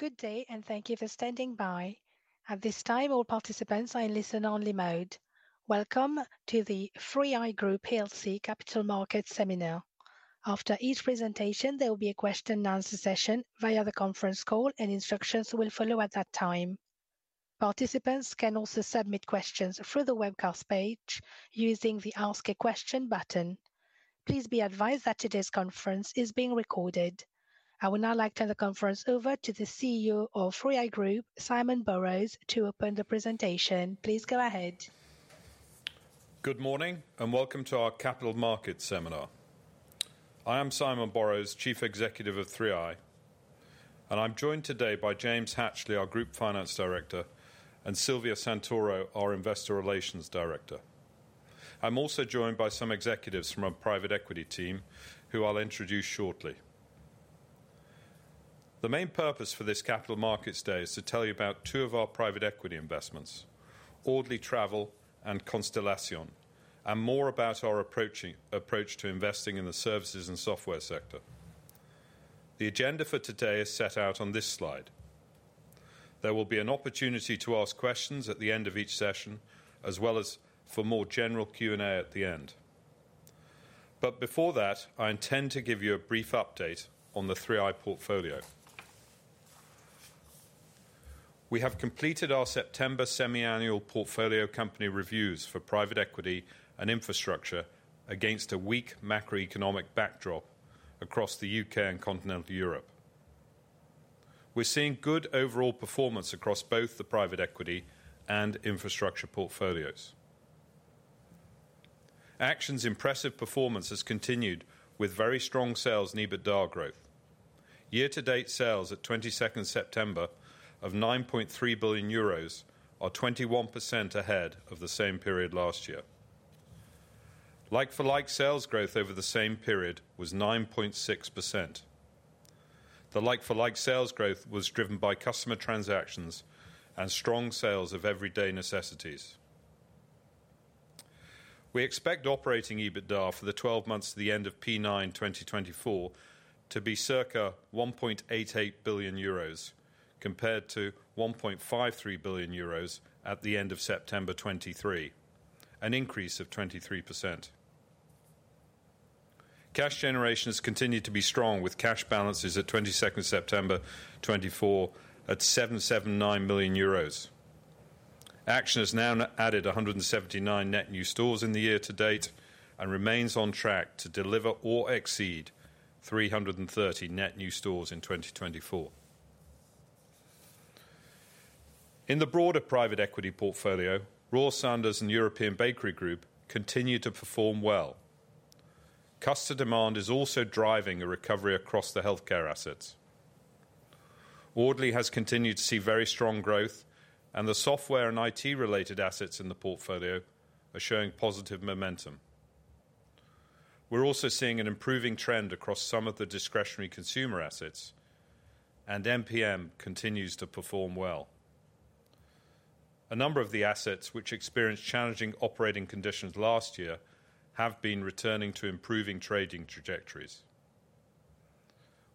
Good day, and thank you for standing by. At this time, all participants are in listen-only mode. Welcome to the 3i Group PLC Capital Markets Seminar. After each presentation, there will be a question and answer session via the conference call, and instructions will follow at that time. Participants can also submit questions through the webcast page using the Ask a Question button. Please be advised that today's conference is being recorded. I would now like to hand the conference over to the CEO of 3i Group, Simon Borrows, to open the presentation. Please go ahead. Good morning, and welcome to our Capital Markets Seminar. I am Simon Borrows, Chief Executive of 3i, and I'm joined today by James Hatchley, our Group Finance Director, and Silvia Santoro, our Investor Relations Director. I'm also joined by some executives from our Private Equity team, who I'll introduce shortly. The main purpose for this Capital Markets Day is to tell you about two of our private equity investments, Audley Travel and Constellation, and more about our approach to investing in the services and software sector. The agenda for today is set out on this slide. There will be an opportunity to ask questions at the end of each session, as well as for more general Q&A at the end. But before that, I intend to give you a brief update on the 3i portfolio. We have completed our September semi-annual portfolio company reviews for private equity and infrastructure against a weak macroeconomic backdrop across the U.K. and continental Europe. We're seeing good overall performance across both the private equity and infrastructure portfolios. Action's impressive performance has continued with very strong sales and EBITDA growth. Year-to-date sales at 22nd September of 9.3 billion euros are 21% ahead of the same period last year. Like-for-like sales growth over the same period was 9.6%. The like-for-like sales growth was driven by customer transactions and strong sales of everyday necessities. We expect operating EBITDA for the 12 months to the end of September 2024 to be circa 1.8 billion euros, compared to 1.53 billion euros at the end of September 2023, an increase of 23%. Cash generation has continued to be strong, with cash balances at 22 September 2024 at EUR 779 million. Action has now added 179 net new stores in the year to date and remains on track to deliver or exceed 330 net new stores in 2024. In the broader private equity portfolio, Royal Sanders and European Bakery Group continue to perform well. Customer demand is also driving a recovery across the healthcare assets. Audley has continued to see very strong growth, and the software and IT-related assets in the portfolio are showing positive momentum. We're also seeing an improving trend across some of the discretionary consumer assets, and MPM continues to perform well. A number of the assets which experienced challenging operating conditions last year have been returning to improving trading trajectories.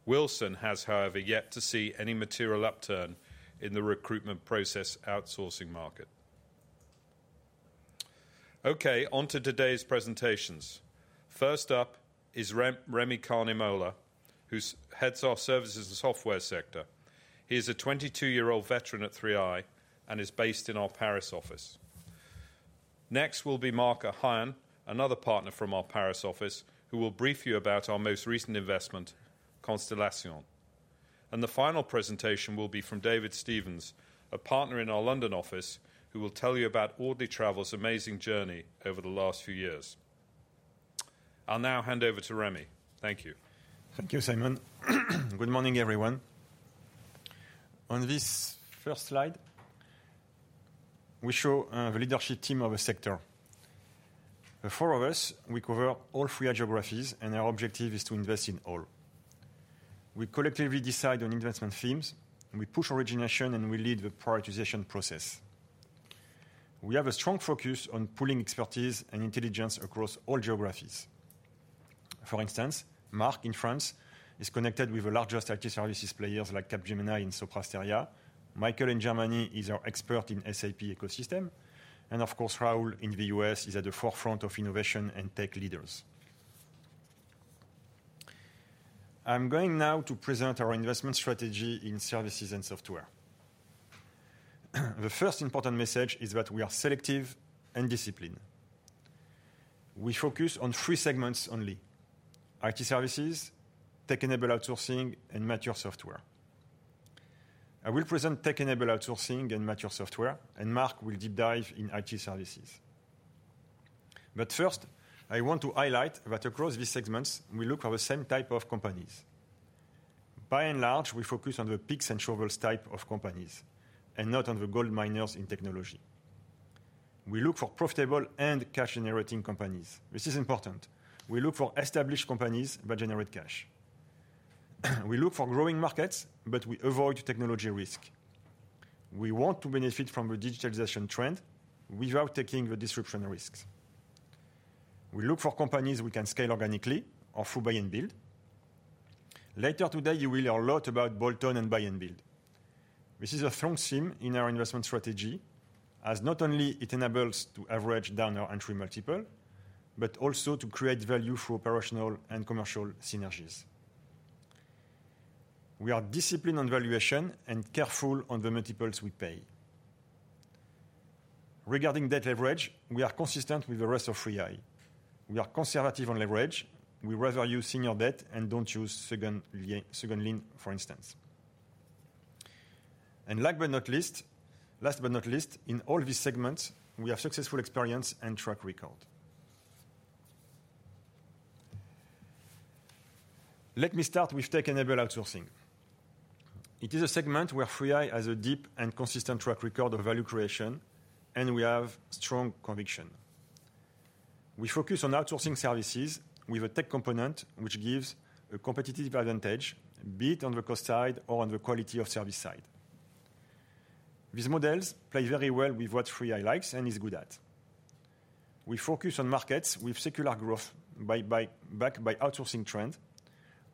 Wilson has, however, yet to see any material upturn in the recruitment process outsourcing market. Okay, on to today's presentations. First up is Rémi Carnimolla, who heads our services and software sector. He is a 22 year-old veteran at 3i and is based in our Paris office. Next will be Marc Ohayon, another partner from our Paris office, who will brief you about our most recent investment, Constellation. The final presentation will be from David Stephens, a partner in our London office, who will tell you about Audley Travel's amazing journey over the last few years. I'll now hand over to Rémi. Thank you. Thank you, Simon. Good morning, everyone. On this first slide, we show the leadership team of a sector. The four of us, we cover all three geographies, and our objective is to invest in all. We collectively decide on investment themes, and we push origination, and we lead the prioritization process. We have a strong focus on pooling expertise and intelligence across all geographies. For instance, Marc in France is connected with the largest IT services players like Capgemini and Sopra Steria. Michael in Germany is our expert in SAP ecosystem. And of course, Rahul in the U.S. is at the forefront of innovation and tech leaders. I'm going now to present our investment strategy in services and software. The first important message is that we are selective and disciplined. We focus on three segments only: IT services, tech-enabled outsourcing, and mature software. I will present tech-enabled outsourcing and mature software, and Marc will deep dive in IT services. But first, I want to highlight that across these segments, we look for the same type of companies. By and large, we focus on the picks and shovels type of companies and not on the gold miners in technology. We look for profitable and cash-generating companies. This is important. We look for established companies that generate cash. We look for growing markets, but we avoid technology risk. We want to benefit from the digitalization trend without taking the disruption risks. We look for companies we can scale organically or through buy and build. Later today, you will hear a lot about bolt-on and buy and build. This is a strong theme in our investment strategy, as not only it enables to average down our entry multiple, but also to create value through operational and commercial synergies. We are disciplined on valuation and careful on the multiples we pay. Regarding debt leverage, we are consistent with the rest of 3i. We are conservative on leverage. We rather use senior debt and don't use second lien, for instance. And last but not least, in all these segments, we have successful experience and track record. Let me start with tech-enabled outsourcing. It is a segment where 3i has a deep and consistent track record of value creation, and we have strong conviction. We focus on outsourcing services with a tech component, which gives a competitive advantage, be it on the cost side or on the quality of service side. These models play very well with what 3i likes and is good at. We focus on markets with secular growth backed by outsourcing trend,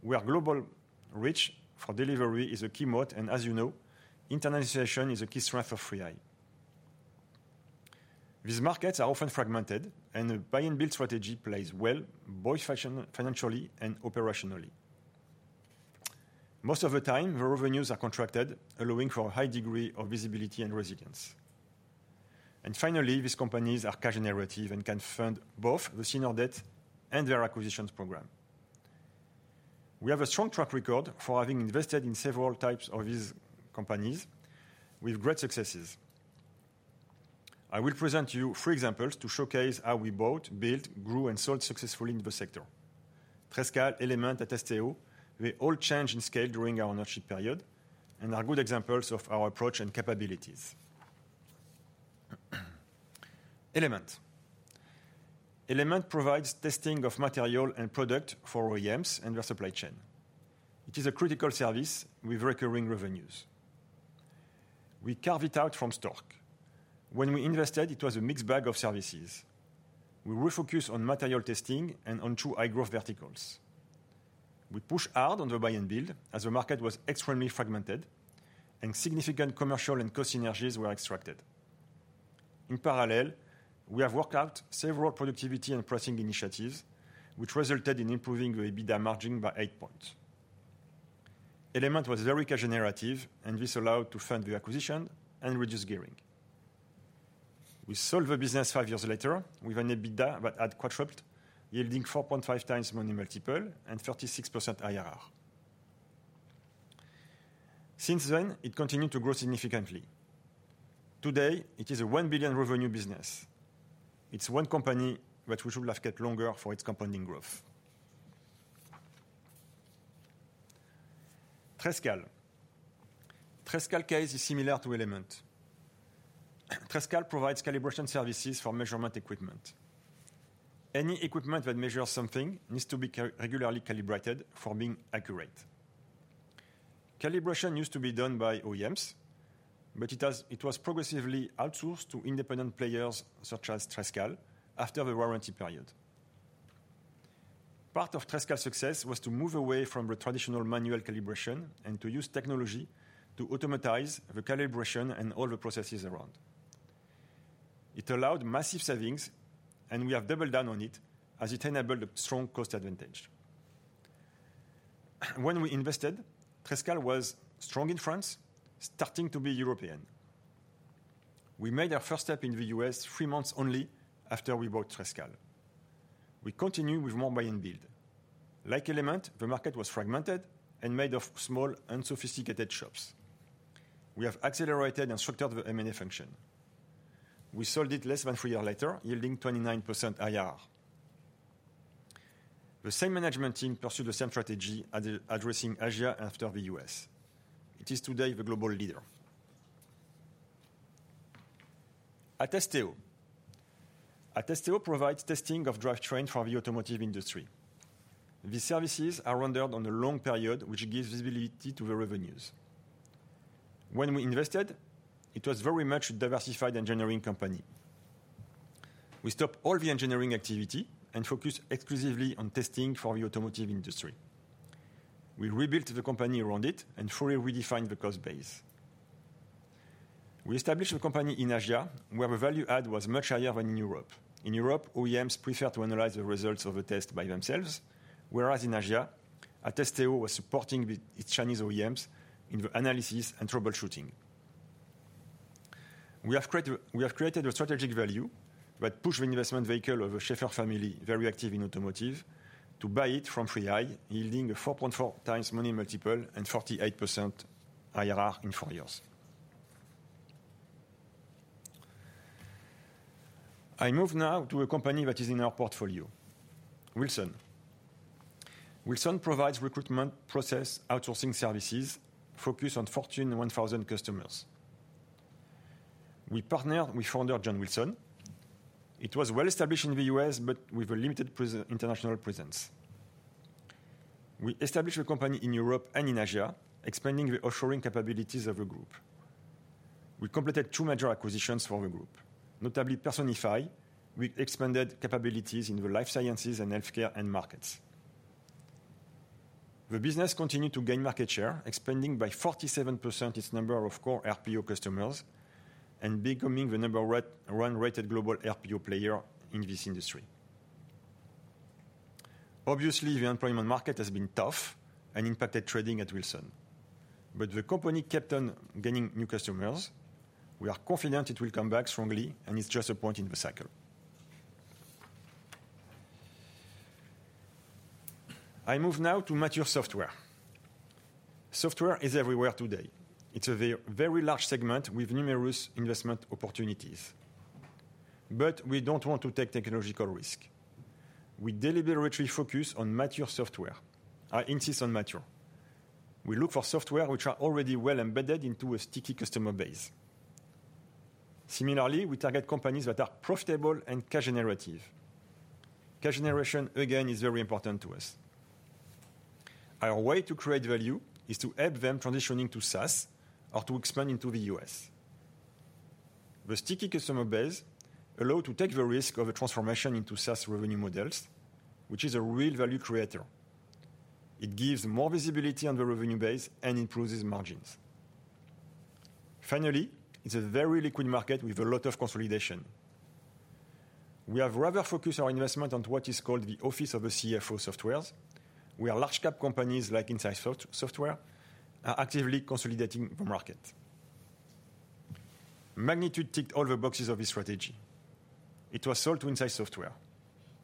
where global reach for delivery is a key moat, and as you know, internationalization is a key strength of 3i. These markets are often fragmented, and a buy-and-build strategy plays well, both financially and operationally. Most of the time, the revenues are contracted, allowing for a high degree of visibility and resilience, and finally, these companies are cash generative and can fund both the senior debt and their acquisitions program. We have a strong track record for having invested in several types of these companies with great successes. I will present to you three examples to showcase how we bought, built, grew, and sold successfully in the sector. Trescal, Element, and Atesteo, they all changed in scale during our ownership period and are good examples of our approach and capabilities. Element. Element provides testing of material and product for OEMs and their supply chain. It is a critical service with recurring revenues. We carve it out from stock. When we invested, it was a mixed bag of services. We refocused on material testing and on two high-growth verticals. We pushed hard on the buy and build as the market was extremely fragmented, and significant commercial and cost synergies were extracted. In parallel, we have worked out several productivity and pricing initiatives, which resulted in improving the EBITDA margin by eight points. Element was very cash generative, and this allowed to fund the acquisition and reduce gearing. We sold the business five years later with an EBITDA that had quadrupled, yielding 4.5x money multiple and 36% IRR. Since then, it continued to grow significantly. Today, it is a 1 billion revenue business. It's one company that we should have kept longer for its compounding growth. Trescal. Trescal case is similar to Element. Trescal provides calibration services for measurement equipment. Any equipment that measures something needs to be regularly calibrated for being accurate. Calibration used to be done by OEMs, but it was progressively outsourced to independent players, such as Trescal, after the warranty period. Part of Trescal's success was to move away from the traditional manual calibration and to use technology to automate the calibration and all the processes around. It allowed massive savings, and we have doubled down on it as it enabled a strong cost advantage. When we invested, Trescal was strong in France, starting to be European. We made our first step in the U.S. three months only after we bought Trescal. We continued with more buy and build. Like Element, the market was fragmented and made of small, unsophisticated shops. We have accelerated and structured the M&A function. We sold it less than three years later, yielding 29% IRR. The same management team pursued the same strategy, addressing Asia after the U.S. It is today the global leader. Atesteo. Atesteo provides testing of drivetrain for the automotive industry. These services are rendered on a long period, which gives visibility to the revenues. When we invested, it was very much a diversified engineering company. We stopped all the engineering activity and focused exclusively on testing for the automotive industry. We rebuilt the company around it and fully redefined the cost base. We established a company in Asia, where the value add was much higher than in Europe. In Europe, OEMs prefer to analyze the results of a test by themselves, whereas in Asia, Atesteo was supporting its Chinese OEMs in the analysis and troubleshooting. We have created a strategic value that pushed the investment vehicle of the Schaeffler family, very active in automotive, to buy it from 3i, yielding a 4.4x money multiple and 48% IRR in four years. I move now to a company that is in our portfolio, Wilson. Wilson provides recruitment process outsourcing services focused on Fortune 1000 customers. We partnered with founder John Wilson. It was well established in the U.S., but with a limited international presence. We established a company in Europe and in Asia, expanding the offshoring capabilities of the group. We completed two major acquisitions for the group, notably Personify. We expanded capabilities in the life sciences and healthcare end markets. The business continued to gain market share, expanding by 47% its number of core RPO customers and becoming the number one rated global RPO player in this industry. Obviously, the unemployment market has been tough and impacted trading at Wilson, but the company kept on gaining new customers. We are confident it will come back strongly, and it's just a point in the cycle. I move now to mature software. Software is everywhere today. It's a very large segment with numerous investment opportunities. But we don't want to take technological risk. We deliberately focus on mature software. I insist on mature. We look for software which are already well embedded into a sticky customer base. Similarly, we target companies that are profitable and cash generative. Cash generation, again, is very important to us. Our way to create value is to help them transitioning to SaaS or to expand into the U.S. The sticky customer base allow to take the risk of a transformation into SaaS revenue models, which is a real value creator. It gives more visibility on the revenue base and improves margins. Finally, it's a very liquid market with a lot of consolidation. We have rather focused our investment on what is called the office of the CFO softwares, where large cap companies like insightsoftware are actively consolidating the market. Magnitude ticked all the boxes of this strategy. It was sold to Insightsoftware.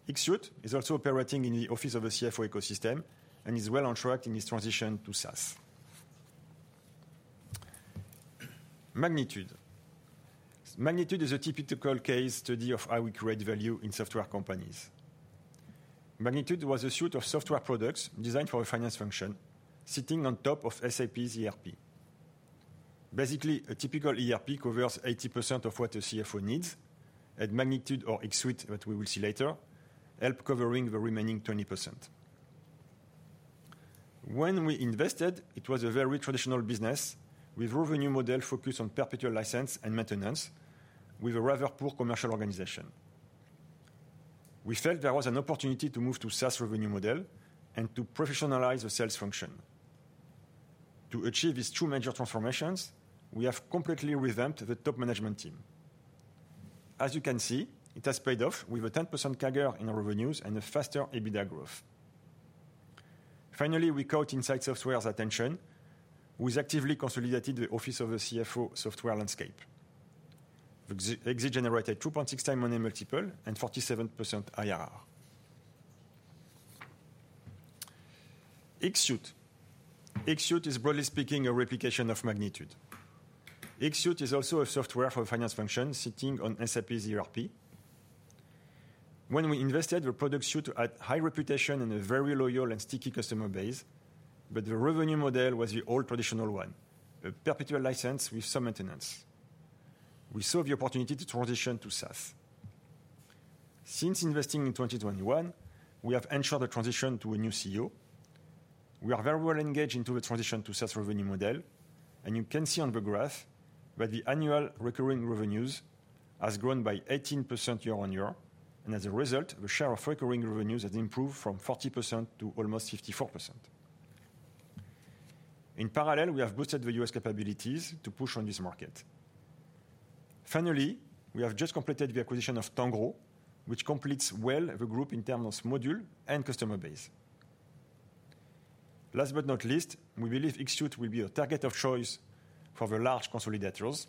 xSuite is also operating in the office of the CFO ecosystem and is well on track in its transition to SaaS. Magnitude. Magnitude is a typical case study of how we create value in software companies. Magnitude was a suite of software products designed for a finance function, sitting on top of SAP's ERP. Basically, a typical ERP covers 80% of what a CFO needs, and Magnitude or xSuite, that we will see later, help covering the remaining 20%. When we invested, it was a very traditional business with revenue model focused on perpetual license and maintenance, with a rather poor commercial organization. We felt there was an opportunity to move to SaaS revenue model and to professionalize the sales function. To achieve these two major transformations, we have completely revamped the top management team. As you can see, it has paid off with a 10% CAGR in our revenues and a faster EBITDA growth. Finally, we caught insightsoftware's attention, who has actively consolidated the office of the CFO software landscape. xSuite generated 2.6x money multiple and 47% IRR. xSuite. xSuite is, broadly speaking, a replication of Magnitude. xSuite is also a software for finance function sitting on SAP's ERP. When we invested, the product suite had high reputation and a very loyal and sticky customer base, but the revenue model was the old traditional one, a perpetual license with some maintenance. We saw the opportunity to transition to SaaS. Since investing in 2021, we have ensured a transition to a new CEO. We are very well engaged into the transition to SaaS revenue model, and you can see on the graph that the annual recurring revenues has grown by 18% year-on-year, and as a result, the share of recurring revenues has improved from 40% to almost 54%. In parallel, we have boosted the U.S. capabilities to push on this market. Finally, we have just completed the acquisition of Tangro, which completes well the group in terms of module and customer base. Last but not least, we believe xSuite will be a target of choice for the large consolidators.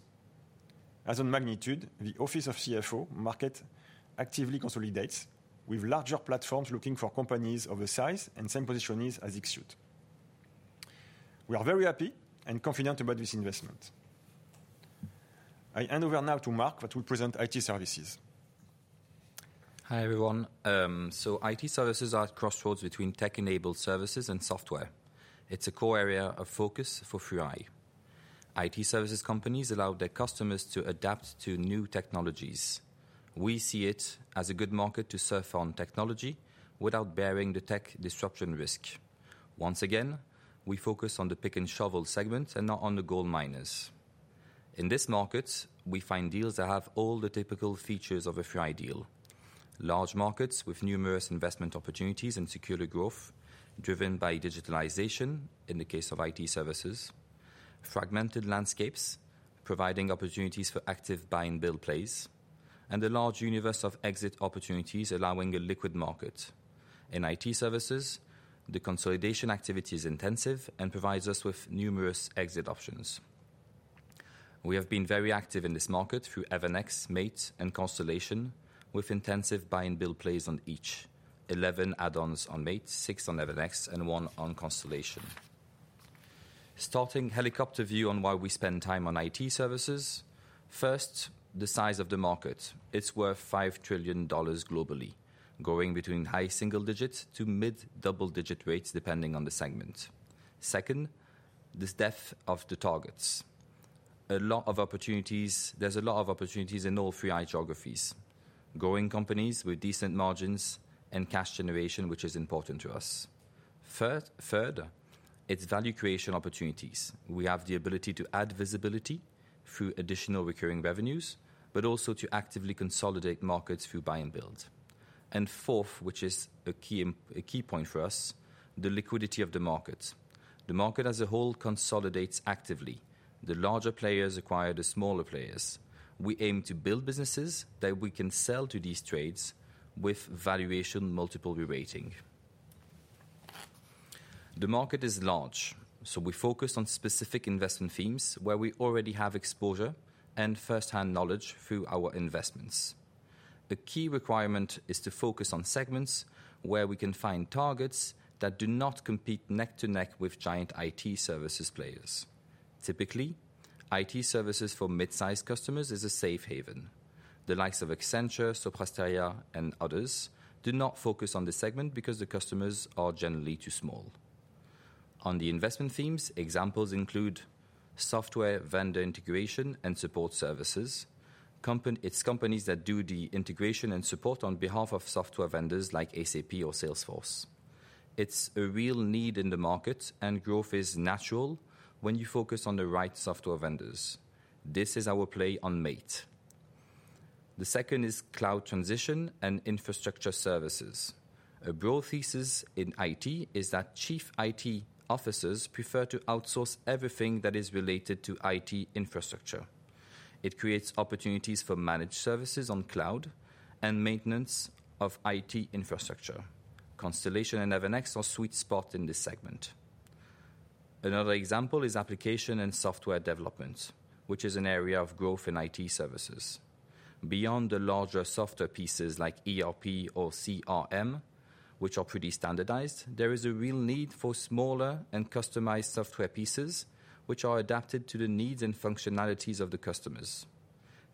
As on Magnitude, the office of CFO market actively consolidates, with larger platforms looking for companies of a size and same position as xSuite. We are very happy and confident about this investment. I hand over now to Marc, who will present IT services. Hi, everyone. IT services are at crossroads between tech-enabled services and software. It's a core area of focus for 3i. IT services companies allow their customers to adapt to new technologies. We see it as a good market to surf on technology without bearing the tech disruption risk. Once again, we focus on the picks and shovels segments and not on the gold miners. In this market, we find deals that have all the typical features of a 3i deal. Large markets with numerous investment opportunities and secular growth, driven by digitalization in the case of IT services, fragmented landscapes, providing opportunities for active buy and build plays, and a large universe of exit opportunities allowing a liquid market. In IT services, the consolidation activity is intensive and provides us with numerous exit options. We have been very active in this market through Evernex, MAIT, and Constellation, with intensive buy and build plays on each. 11 add-ons on MAIT, six on Evernex, and one on Constellation. Starting helicopter view on why we spend time on IT services. First, the size of the market. It's worth $5 trillion globally, growing between high single digits to mid-double-digit rates, depending on the segment. Second, the strength of the targets, a lot of opportunities. There's a lot of opportunities in all three geographies. Growing companies with decent margins and cash generation, which is important to us. Third, it's value creation opportunities. We have the ability to add visibility through additional recurring revenues, but also to actively consolidate markets through buy and build. Fourth, which is a key point for us, the liquidity of the market. The market as a whole consolidates actively. The larger players acquire the smaller players. We aim to build businesses that we can sell to these trades with valuation multiple rerating. The market is large, so we focus on specific investment themes where we already have exposure and first-hand knowledge through our investments. The key requirement is to focus on segments where we can find targets that do not compete neck to neck with giant IT services players. Typically, IT services for mid-sized customers is a safe haven. The likes of Accenture, Sopra Steria, and others do not focus on this segment because the customers are generally too small. On the investment themes, examples include software vendor integration and support services. It's companies that do the integration and support on behalf of software vendors like SAP or Salesforce. It's a real need in the market, and growth is natural when you focus on the right software vendors. This is our play on AI. The second is cloud transition and infrastructure services. A broad thesis in IT is that chief IT officers prefer to outsource everything that is related to IT infrastructure. It creates opportunities for managed services on cloud and maintenance of IT infrastructure. Constellation and Evernex are sweet spot in this segment. Another example is application and software development, which is an area of growth in IT services. Beyond the larger software pieces like ERP or CRM, which are pretty standardized, there is a real need for smaller and customized software pieces, which are adapted to the needs and functionalities of the customers.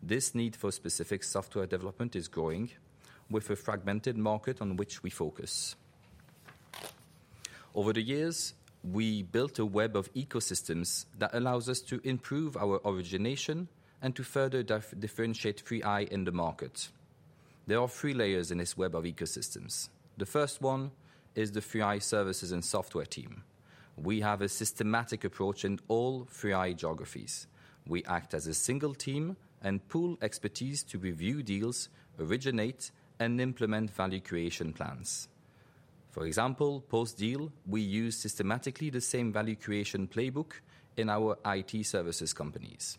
This need for specific software development is growing, with a fragmented market on which we focus. Over the years, we built a web of ecosystems that allows us to improve our origination and to further differentiate 3i in the market. There are three layers in this web of ecosystems. The first one is the 3i Services and Software team. We have a systematic approach in all 3i geographies. We act as a single team and pool expertise to review deals, originate, and implement value creation plans. For example, post-deal, we use systematically the same value creation playbook in our IT services companies.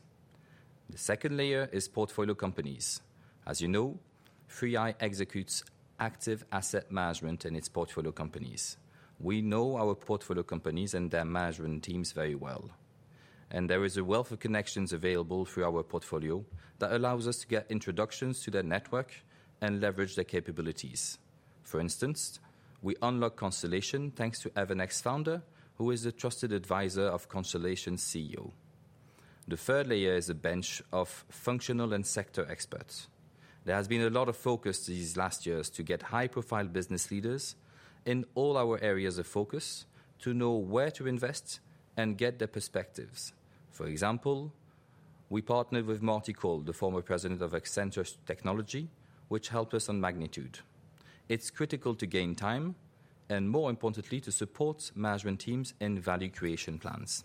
The second layer is portfolio companies. As you know, 3i executes active asset management in its portfolio companies. We know our portfolio companies and their management teams very well, and there is a wealth of connections available through our portfolio that allows us to get introductions to their network and leverage their capabilities. For instance, we unlocked Constellation thanks to Evernex founder, who is a trusted advisor of Constellation's CEO. The third layer is a bench of functional and sector experts. There has been a lot of focus these last years to get high-profile business leaders in all our areas of focus, to know where to invest and get their perspectives. For example, we partnered with Marty Cole, the former president of Accenture Technology, which helped us on magnitude. It's critical to gain time and, more importantly, to support management teams in value creation plans.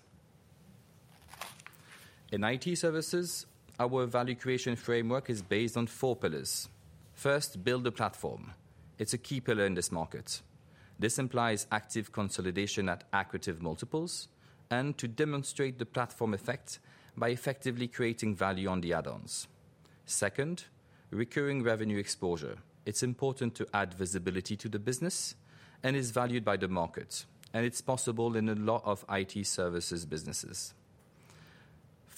In IT services, our value creation framework is based on four pillars. First, build a platform. It's a key pillar in this market. This implies active consolidation at accretive multiples and to demonstrate the platform effect by effectively creating value on the add-ons. Second, recurring revenue exposure. It's important to add visibility to the business and is valued by the market, and it's possible in a lot of IT services businesses.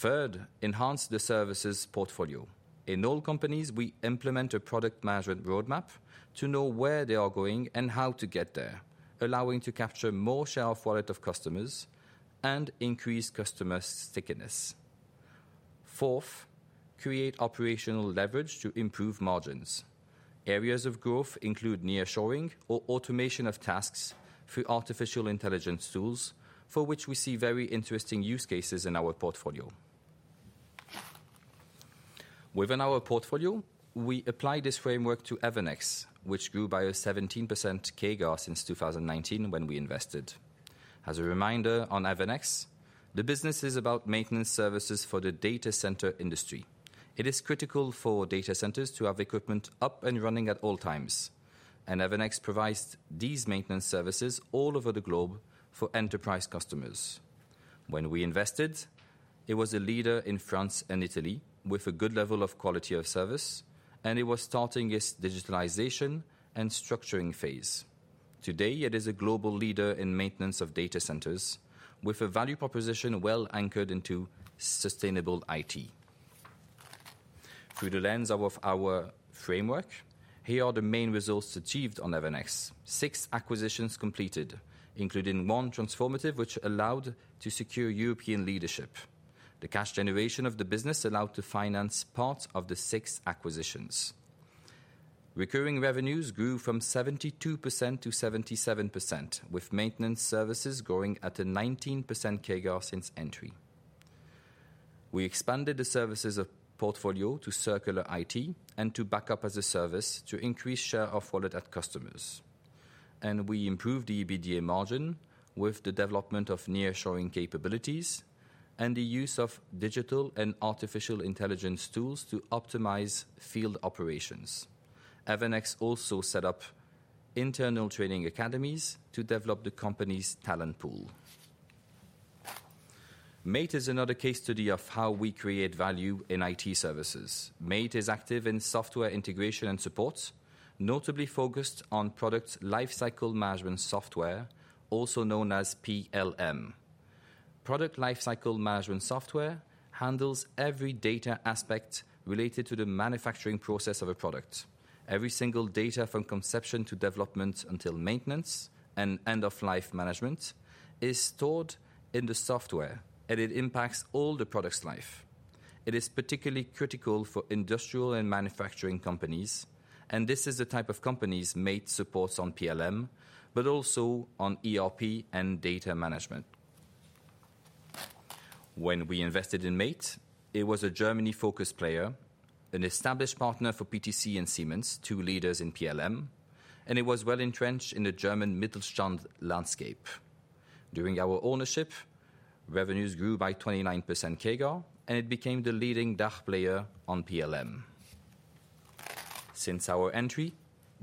Third, enhance the services portfolio. In all companies, we implement a product management roadmap to know where they are going and how to get there, allowing to capture more share of wallet of customers and increase customer stickiness. Fourth, create operational leverage to improve margins. Areas of growth include nearshoring or automation of tasks through artificial intelligence tools, for which we see very interesting use cases in our portfolio. Within our portfolio, we apply this framework to Evernex, which grew by a 17% CAGR since two thousand and nineteen when we invested. As a reminder, on Evernex, the business is about maintenance services for the data center industry. It is critical for data centers to have equipment up and running at all times, and Evernex provides these maintenance services all over the globe for enterprise customers. When we invested, it was a leader in France and Italy with a good level of quality of service, and it was starting its digitalization and structuring phase. Today, it is a global leader in maintenance of data centers, with a value proposition well anchored into sustainable IT. Through the lens of our framework, here are the main results achieved on Evernex. Six acquisitions completed, including one transformative, which allowed to secure European leadership. The cash generation of the business allowed to finance parts of the six acquisitions. Recurring revenues grew from 72% to 77%, with maintenance services growing at a 19% CAGR since entry. We expanded the services of portfolio to circular IT and to backup as a service to increase share of wallet at customers. We improved the EBITDA margin with the development of nearshoring capabilities and the use of digital and artificial intelligence tools to optimize field operations. Evernex also set up internal training academies to develop the company's talent pool. MAIT is another case study of how we create value in IT services. MAIT is active in software integration and support, notably focused on product lifecycle management software, also known as PLM. Product lifecycle management software handles every data aspect related to the manufacturing process of a product. Every single data from conception to development until maintenance and end of life management is stored in the software, and it impacts all the product's life. It is particularly critical for industrial and manufacturing companies, and this is the type of companies MAIT supports on PLM, but also on ERP and data management. When we invested in MAIT, it was a Germany-focused player, an established partner for PTC and Siemens, two leaders in PLM, and it was well entrenched in the German Mittelstand landscape. During our ownership, revenues grew by 29% CAGR, and it became the leading DACH player on PLM. Since our entry,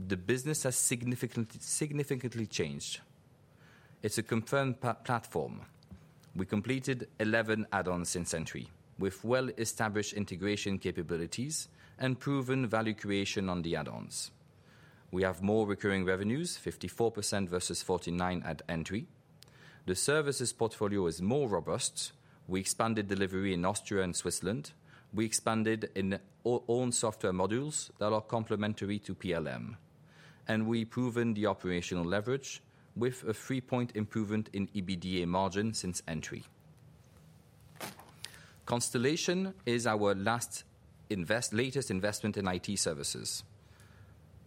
the business has significantly, significantly changed. It's a confirmed platform. We completed 11 add-ons since entry, with well-established integration capabilities and proven value creation on the add-ons. We have more recurring revenues, 54% versus 49% at entry. The services portfolio is more robust. We expanded delivery in Austria and Switzerland. We expanded in own software modules that are complementary to PLM, and we've proven the operational leverage with a three-point improvement in EBITDA margin since entry. Constellation is our latest investment in IT services.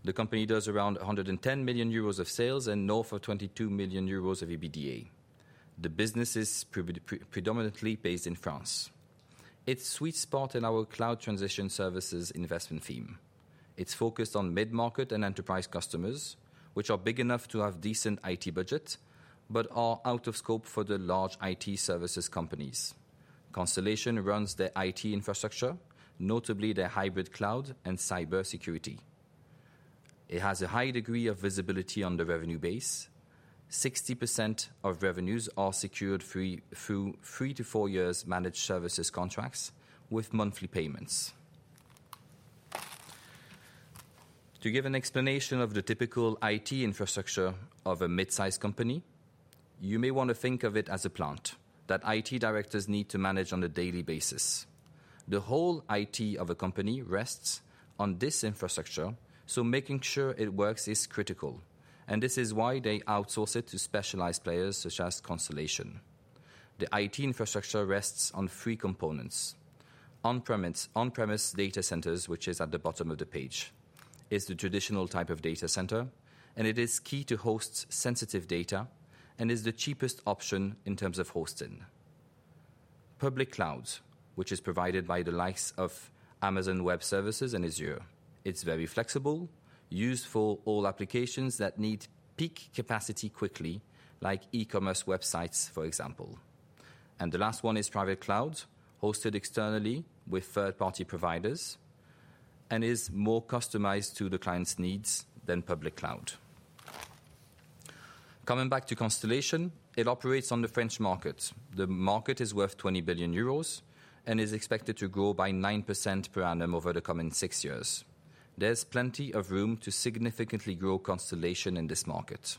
The company does around 110 million euros of sales and north of 22 million euros of EBITDA. The business is predominantly based in France. It's its sweet spot in our cloud transition services investment theme. It's focused on mid-market and enterprise customers, which are big enough to have decent IT budget, but are out of scope for the large IT services companies. Constellation runs their IT infrastructure, notably their hybrid cloud and cybersecurity. It has a high degree of visibility on the revenue base. 60% of revenues are secured through three to four years managed services contracts with monthly payments. To give an explanation of the typical IT infrastructure of a mid-sized company, you may want to think of it as a plant that IT directors need to manage on a daily basis. The whole IT of a company rests on this infrastructure, so making sure it works is critical, and this is why they outsource it to specialized players such as Constellation. The IT infrastructure rests on three components: on-premise, on-premise data centers, which is at the bottom of the page. It's the traditional type of data center, and it is key to host sensitive data and is the cheapest option in terms of hosting. Public cloud, which is provided by the likes of Amazon Web Services and Azure. It's very flexible, used for all applications that need peak capacity quickly, like e-commerce websites, for example. And the last one is private cloud, hosted externally with third-party providers and is more customized to the client's needs than public cloud. Coming back to Constellation, it operates on the French market. The market is worth 20 billion euros and is expected to grow by 9% per annum over the coming six years. There's plenty of room to significantly grow Constellation in this market.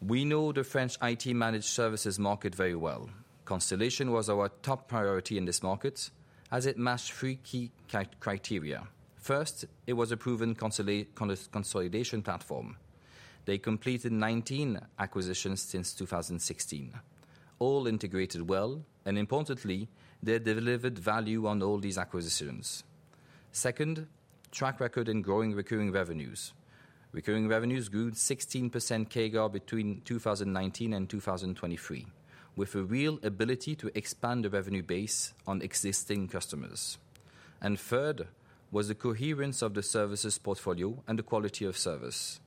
We know the French IT managed services market very well. Constellation was our top priority in this market as it matched three key criteria. First, it was a proven consolidation platform. They completed 19 acquisitions since 2016, all integrated well, and importantly, they delivered value on all these acquisitions. Second, track record in growing recurring revenues. Recurring revenues grew 16% CAGR between 2019 and 2023, with a real ability to expand the revenue base on existing customers. And third, was the coherence of the services portfolio and the quality of service.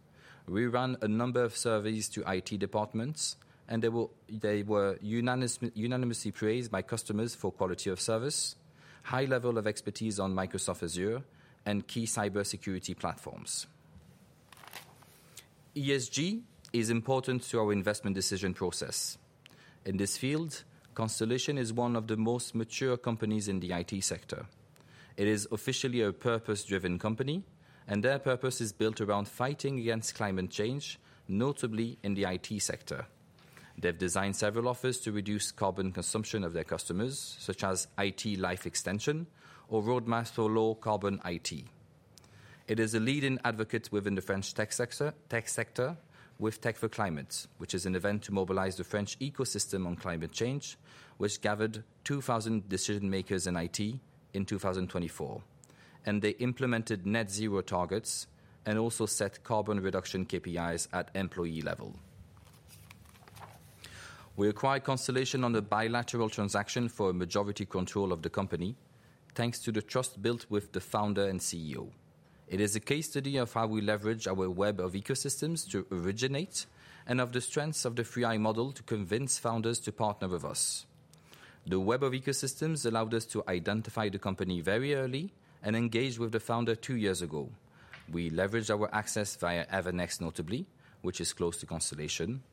We ran a number of surveys to IT departments, and they were unanimously praised by customers for quality of service, high level of expertise on Microsoft Azure, and key cybersecurity platforms. ESG is important to our investment decision process. In this field, Constellation is one of the most mature companies in the IT sector. It is officially a purpose-driven company, and their purpose is built around fighting against climate change, notably in the IT sector. They've designed several offers to reduce carbon consumption of their customers, such as IT life extension or roadmap for low carbon IT. It is a leading advocate within the French tech sector with Tech for Climate, which is an event to mobilize the French ecosystem on climate change, which gathered 2,000 decision makers in IT in 2024, and they implemented net zero targets and also set carbon reduction KPIs at employee level. We acquired Constellation on a bilateral transaction for a majority control of the company, thanks to the trust built with the founder and CEO. It is a case study of how we leverage our web of ecosystems to originate and of the strengths of the 3i model to convince founders to partner with us. The web of ecosystems allowed us to identify the company very early and engage with the founder two years ago. We leveraged our access via Evernex notably, which is close to Constellation.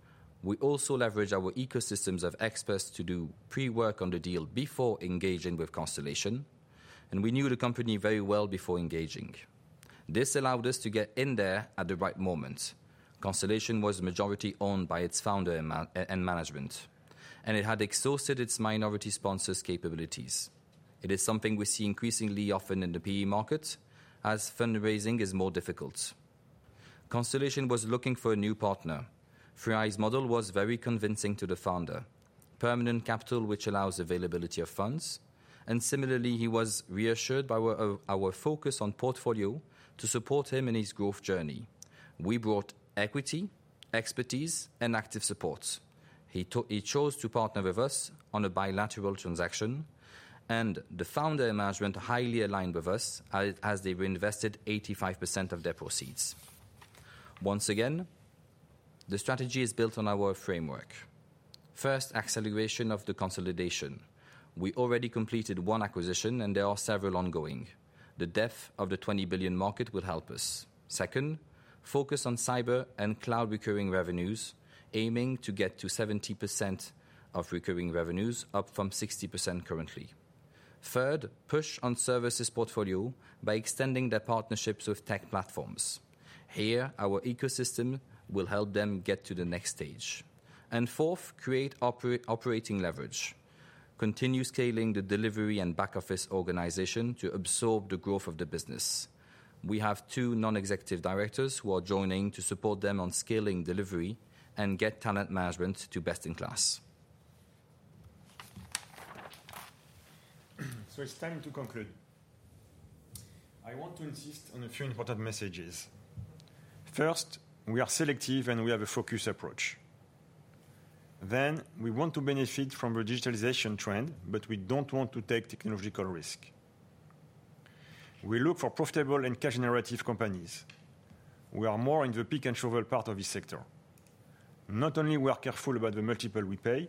We also leveraged our ecosystems of experts to do pre-work on the deal before engaging with Constellation, and we knew the company very well before engaging. This allowed us to get in there at the right moment. Constellation was majority owned by its founder and management, and it had exhausted its minority sponsors' capabilities. It is something we see increasingly often in the PE market as fundraising is more difficult. Constellation was looking for a new partner. 3i's model was very convincing to the founder. Permanent capital, which allows availability of funds, and similarly, he was reassured by our focus on portfolio to support him in his growth journey. We brought equity, expertise, and active support. He chose to partner with us on a bilateral transaction, and the founder and management highly aligned with us, as they reinvested 85% of their proceeds. Once again, the strategy is built on our framework. First, acceleration of the consolidation. We already completed one acquisition, and there are several ongoing. The depth of the 20 billion market will help us. Second, focus on cyber and cloud recurring revenues, aiming to get to 70% of recurring revenues, up from 60% currently. Third, push on services portfolio by extending their partnerships with tech platforms. Here, our ecosystem will help them get to the next stage. And fourth, create operating leverage. Continue scaling the delivery and back office organization to absorb the growth of the business. We have two non-executive directors who are joining to support them on scaling delivery and get talent management to best in class. So it's time to conclude. I want to insist on a few important messages. First, we are selective, and we have a focused approach. Then, we want to benefit from the digitalization trend, but we don't want to take technological risk. We look for profitable and cash-generative companies. We are more in the picks and shovels part of this sector. Not only are we careful about the multiples we pay,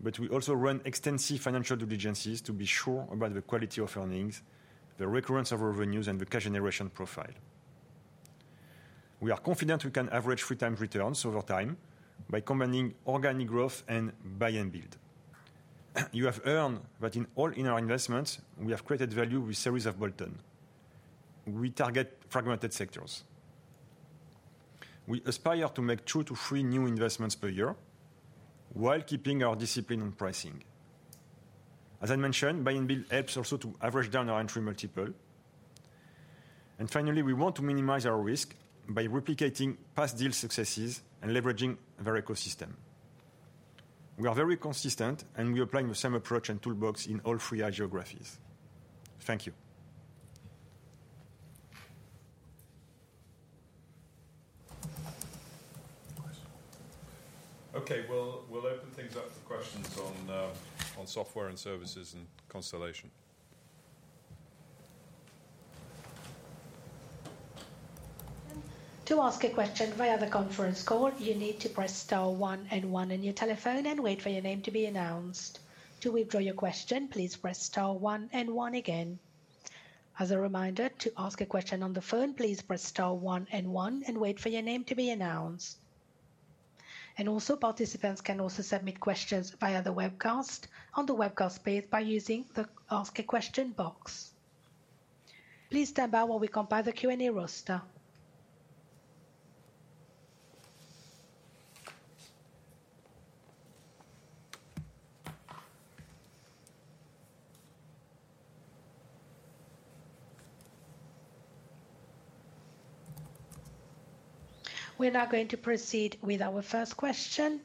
but we also run extensive financial due diligence to be sure about the quality of earnings, the recurrence of revenues, and the cash generation profile. We are confident we can average three times returns over time by combining organic growth and buy and build. You have heard that in all of our investments, we have created value with a series of bolt-ons. We target fragmented sectors. We aspire to make two to three new investments per year while keeping our discipline on pricing. As I mentioned, buy and build helps also to average down our entry multiple. Finally, we want to minimize our risk by replicating past deal successes and leveraging our ecosystem. We are very consistent, and we apply the same approach and toolbox in all 3i geographies. Thank you. Okay, we'll open things up to questions on Software and Services and Constellation. To ask a question via the conference call, you need to press star one and one on your telephone and wait for your name to be announced. To withdraw your question, please press star one and one again. As a reminder, to ask a question on the phone, please press star one and one and wait for your name to be announced, and also, participants can also submit questions via the webcast on the webcast page by using the Ask a Question box. Please stand by while we compile the Q&A roster. We're now going to proceed with our first question.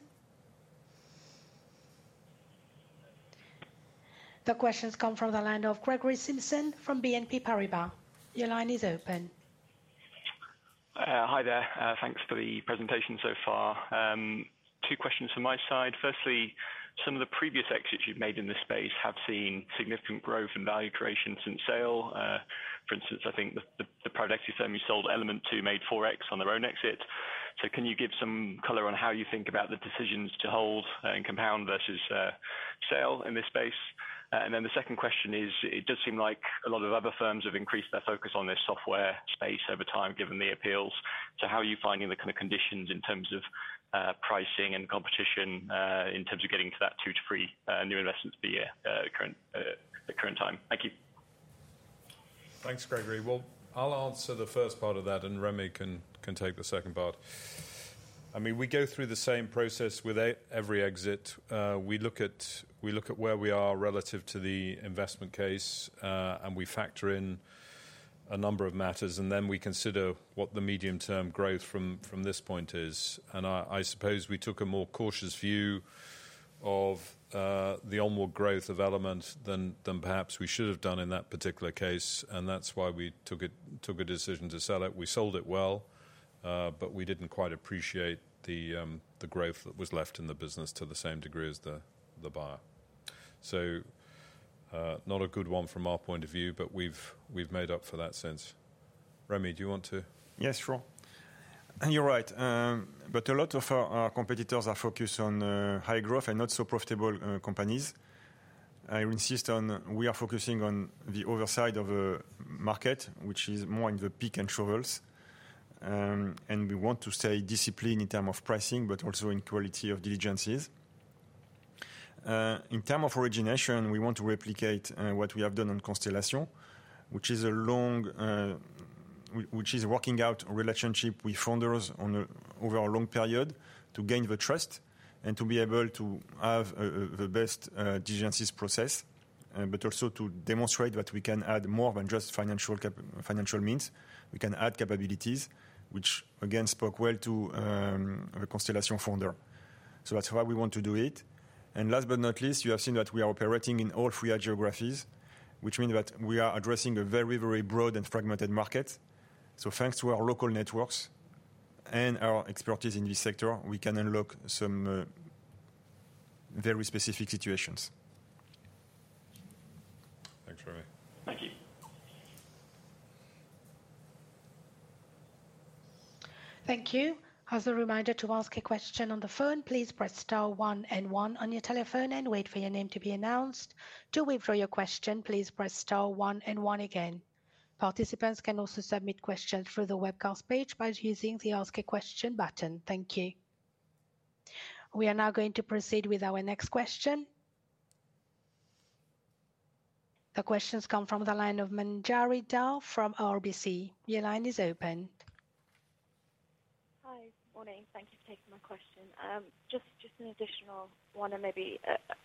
The question's come from the line of Gregory Simpson from BNP Paribas. Your line is open. Hi there. Thanks for the presentation so far. Two questions from my side. Firstly, some of the previous exits you've made in this space have seen significant growth and value creation since sale. For instance, I think the private equity firm you sold, Element Two, made 4x on their own exit. So can you give some color on how you think about the decisions to hold and compound versus sale in this space? And then the second question is, it does seem like a lot of other firms have increased their focus on their software space over time, given the appeals. So how are you finding the kind of conditions in terms of pricing and competition in terms of getting to that two to three new investments per year at the current time? Thank you. Thanks, Gregory. Well, I'll answer the first part of that, and Rémi can take the second part. I mean, we go through the same process with every exit. We look at where we are relative to the investment case, and we factor in a number of matters, and then we consider what the medium-term growth from this point is. And I suppose we took a more cautious view of the onward growth of Element than perhaps we should have done in that particular case, and that's why we took a decision to sell it. We sold it well, but we didn't quite appreciate the growth that was left in the business to the same degree as the buyer. So, not a good one from our point of view, but we've made up for that since. Rémi, do you want to- Yes, sure, and you're right. But a lot of our competitors are focused on high growth and not so profitable companies. I insist on we are focusing on the other side of the market, which is more in the peaks and troughs. And we want to stay disciplined in terms of pricing, but also in quality of diligences. In terms of origination, we want to replicate what we have done on Constellation, which is working out relationship with founders over a long period to gain the trust and to be able to have the best diligences process. But also to demonstrate that we can add more than just financial means. We can add capabilities, which again spoke well to the Constellation founder. So that's why we want to do it. And last but not least, you have seen that we are operating in all three geographies, which mean that we are addressing a very, very broad and fragmented market. So thanks to our local networks and our expertise in this sector, we can unlock some very specific situations. Thanks, Rémi. Thank you. Thank you. As a reminder, to ask a question on the phone, please press star one and one on your telephone and wait for your name to be announced. To withdraw your question, please press star one and one again. Participants can also submit questions through the webcast page by using the Ask a Question button. Thank you. We are now going to proceed with our next question. The question comes from the line of Manjari Dhar from RBC. Your line is open. Hi. Morning. Thank you for taking my question. Just an additional one and maybe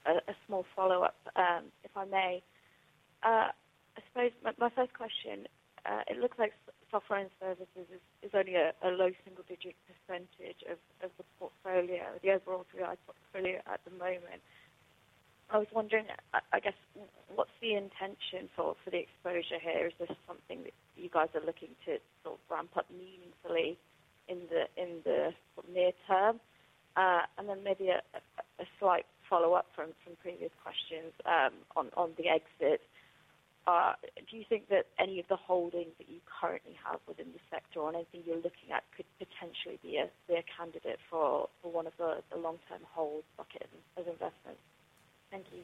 a small follow-up, if I may. I suppose my first question, it looks like software and services is only a low single-digit % of the portfolio, the overall 3i portfolio at the moment. I was wondering, I guess, what's the intention for the exposure here? Is this something that you guys are looking to sort of ramp up meaningfully in the near term? And then maybe a slight follow-up from previous questions, on the exit. Do you think that any of the holdings that you currently have within the sector or anything you're looking at could potentially be a candidate for one of the long-term hold buckets of investments? Thank you.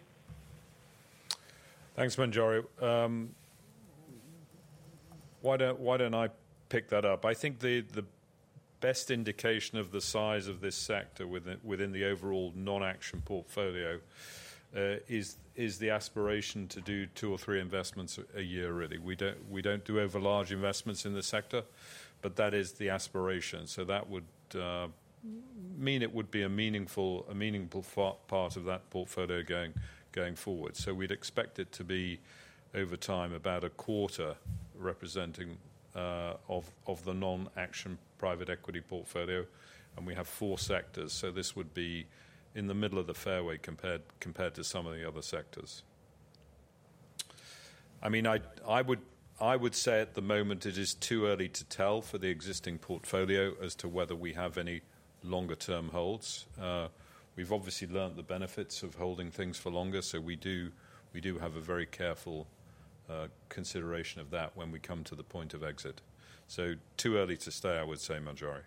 Thanks, Manjari. Why don't I pick that up? I think the best indication of the size of this sector within the overall non-Action portfolio is the aspiration to do two or three investments a year, really. We don't do over large investments in this sector, but that is the aspiration. That would mean it would be a meaningful part of that portfolio going forward. We'd expect it to be, over time, about a quarter representing of the non-Action private equity portfolio, and we have four sectors. This would be in the middle of the fairway compared to some of the other sectors. I mean, I would say at the moment it is too early to tell for the existing portfolio as to whether we have any longer term holds. We've obviously learned the benefits of holding things for longer, so we do have a very careful consideration of that when we come to the point of exit. So too early to say, I would say, Manjari.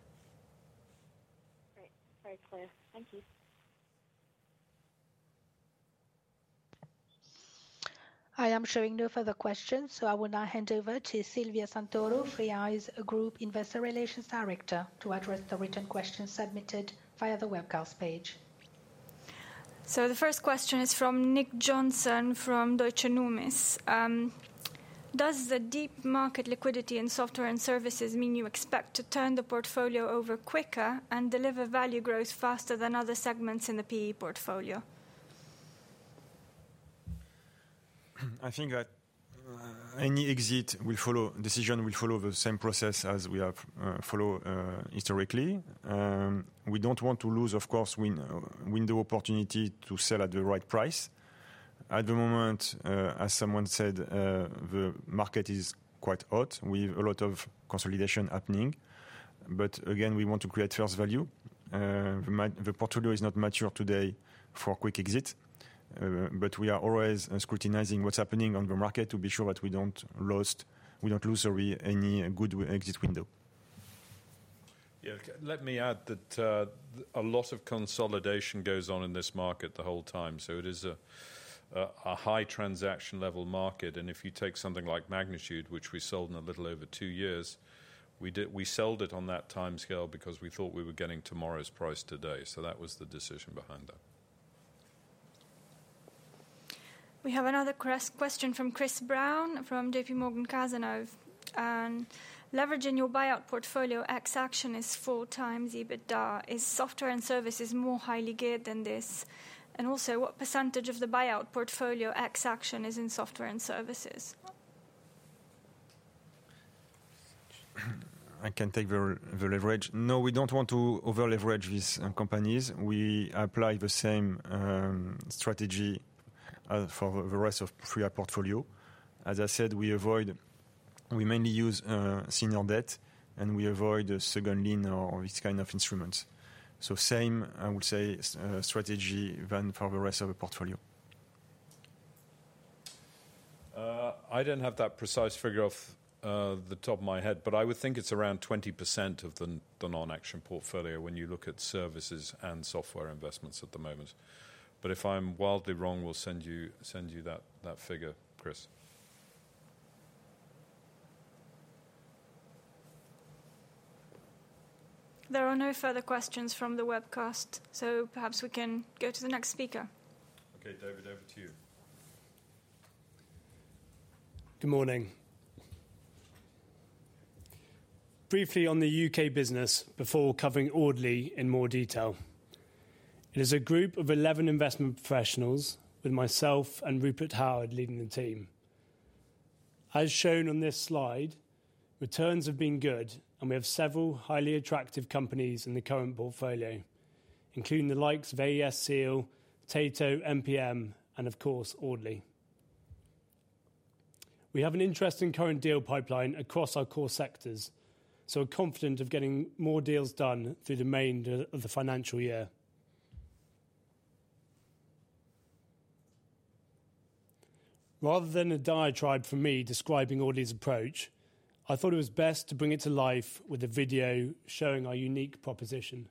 Great. Very clear. Thank you. I am showing no further questions, so I will now hand over to Silvia Santoro, 3i's Group Investor Relations Director, to address the written questions submitted via the webcast page. So the first question is from Nick Johnson, from Deutsche Numis. Does the deep market liquidity in software and services mean you expect to turn the portfolio over quicker and deliver value growth faster than other segments in the PE portfolio? I think that any exit decision will follow the same process as we have followed historically. We don't want to lose, of course, any window opportunity to sell at the right price. At the moment, as someone said, the market is quite hot with a lot of consolidation happening. But again, we want to create first value. The portfolio is not mature today for quick exit, but we are always scrutinizing what's happening on the market to be sure that we don't lose really any good exit window. Yeah. Let me add that a lot of consolidation goes on in this market the whole time, so it is a high transaction level market, and if you take something like Magnitude, which we sold in a little over two years, we sold it on that timescale because we thought we were getting tomorrow's price today. So that was the decision behind that. We have another question from Chris Brown from J.P. Morgan Cazenove. Leveraging your buyout portfolio ex Action is four times EBITDA. Is software and services more highly geared than this? And also, what percentage of the buyout portfolio ex Action is in software and services? I can take the leverage. No, we don't want to over-leverage these companies. We apply the same strategy for the rest of 3i portfolio. As I said, we avoid, we mainly use senior debt, and we avoid a second lien or this kind of instruments. So same, I would say, strategy than for the rest of the portfolio. I don't have that precise figure off the top of my head, but I would think it's around 20% of the non-Action portfolio when you look at services and software investments at the moment. But if I'm wildly wrong, we'll send you that figure, Chris. There are no further questions from the webcast, so perhaps we can go to the next speaker. Okay, David, over to you. Good morning. Briefly on the U.K. business before covering Audley in more detail. It is a group of 11 investment professionals, with myself and Rupert Howard leading the team. As shown on this slide, returns have been good, and we have several highly attractive companies in the current portfolio, including the likes of AESSEAL, Tato, MPM, and of course, Audley. We have an interesting current deal pipeline across our core sectors, so we're confident of getting more deals done through the remainder of the financial year. Rather than a diatribe from me describing Audley's approach, I thought it was best to bring it to life with a video showing our unique proposition.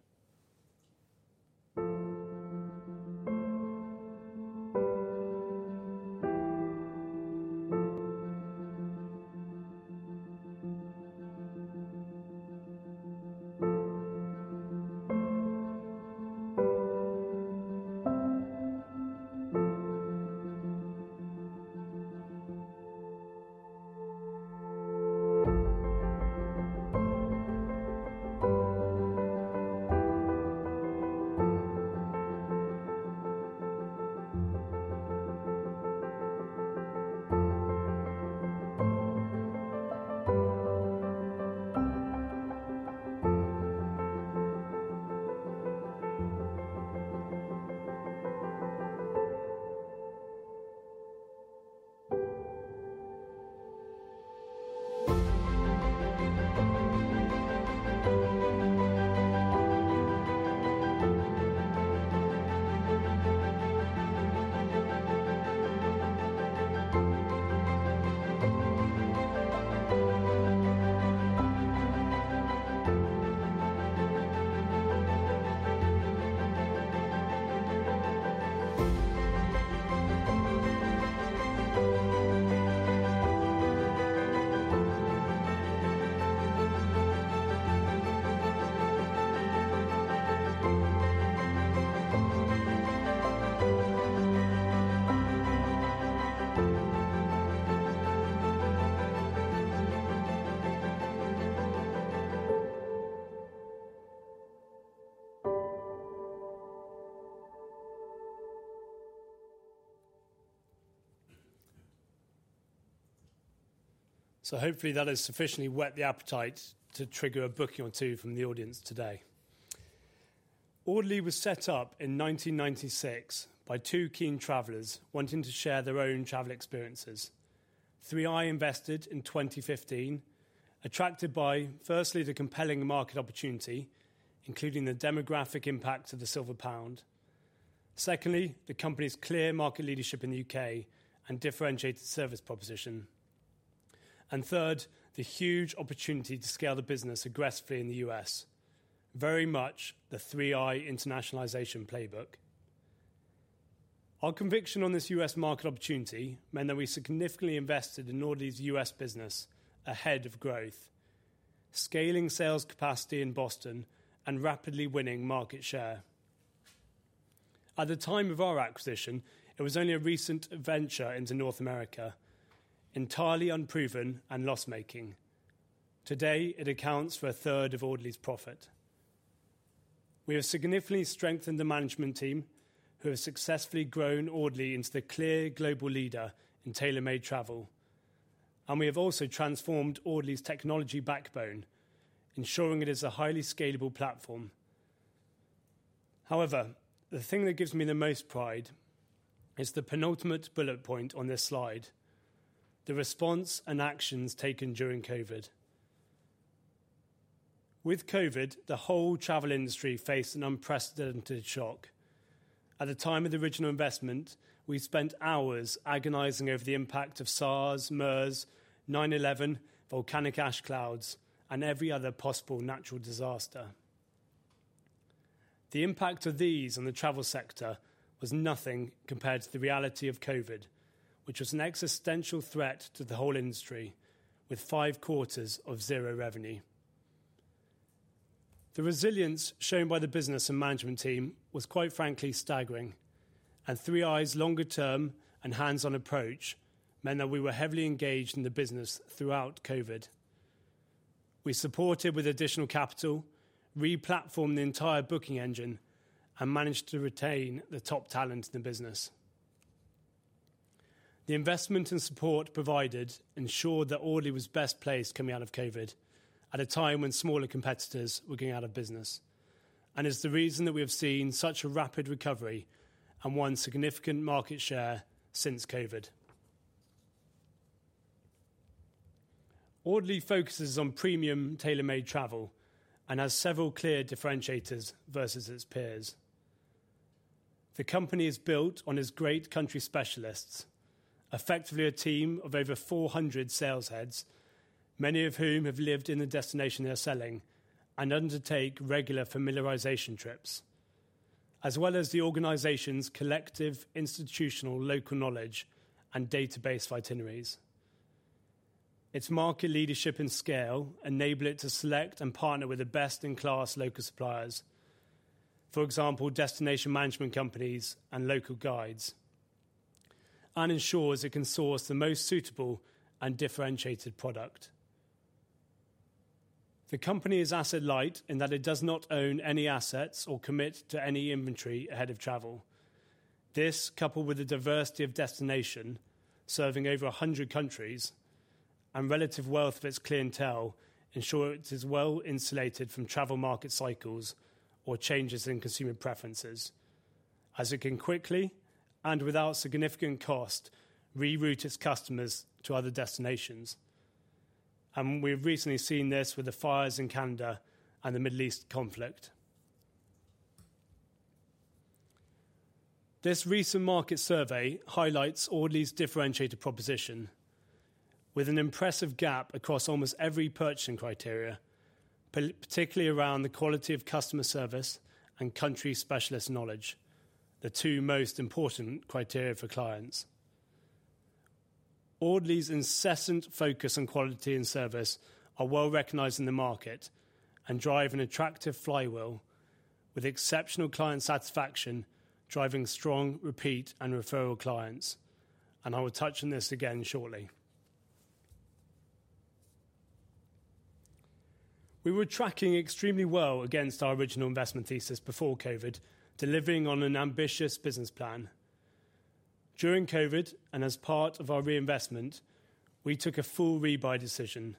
So hopefully that has sufficiently whet the appetite to trigger a booking or two from the audience today. Audley was set up in 1996 by two keen travelers wanting to share their own travel experiences. 3i invested in 2015, attracted by, firstly, the compelling market opportunity, including the demographic impact of the silver pound. Secondly, the company's clear market leadership in the U.K. and differentiated service proposition. And third, the huge opportunity to scale the business aggressively in the U.S., very much the 3i internationalization playbook. Our conviction on this U.S. market opportunity meant that we significantly invested in Audley's U.S. business ahead of growth, scaling sales capacity in Boston and rapidly winning market share. At the time of our acquisition, it was only a recent venture into North America, entirely unproven and loss-making. Today, it accounts for a third of Audley's profit. We have significantly strengthened the management team, who have successfully grown Audley into the clear global leader in tailor-made travel, and we have also transformed Audley's technology backbone, ensuring it is a highly scalable platform. However, the thing that gives me the most pride is the penultimate bullet point on this slide: the response and actions taken during COVID. With COVID, the whole travel industry faced an unprecedented shock. At the time of the original investment, we spent hours agonizing over the impact of SARS, MERS, 9/11, volcanic ash clouds, and every other possible natural disaster. The impact of these on the travel sector was nothing compared to the reality of COVID, which was an existential threat to the whole industry, with five quarters of zero revenue. The resilience shown by the business and management team was, quite frankly, staggering, and 3i's longer-term and hands-on approach meant that we were heavily engaged in the business throughout COVID. We supported with additional capital, re-platformed the entire booking engine, and managed to retain the top talent in the business. The investment and support provided ensured that Audley was best placed coming out of COVID, at a time when smaller competitors were going out of business, and is the reason that we have seen such a rapid recovery and won significant market share since COVID. Audley focuses on premium tailor-made travel and has several clear differentiators versus its peers. The company is built on its great country specialists, effectively a team of over four hundred sales heads, many of whom have lived in the destination they're selling and undertake regular familiarization trips, as well as the organization's collective institutional, local knowledge, and database of itineraries. Its market leadership and scale enable it to select and partner with the best-in-class local suppliers, for example, destination management companies and local guides, and ensures it can source the most suitable and differentiated product. The company is asset light in that it does not own any assets or commit to any inventory ahead of travel. This, coupled with a diversity of destination, serving over a hundred countries, and relative wealth of its clientele, ensures it is well insulated from travel market cycles or changes in consumer preferences, as it can quickly and without significant cost, reroute its customers to other destinations. We've recently seen this with the fires in Canada and the Middle East conflict. This recent market survey highlights Audley's differentiated proposition with an impressive gap across almost every purchasing criteria, particularly around the quality of customer service and country specialist knowledge, the two most important criteria for clients. Audley's incessant focus on quality and service are well recognized in the market and drive an attractive flywheel, with exceptional client satisfaction, driving strong repeat and referral clients, and I will touch on this again shortly. We were tracking extremely well against our original investment thesis before COVID, delivering on an ambitious business plan. During COVID, and as part of our reinvestment, we took a full rebuy decision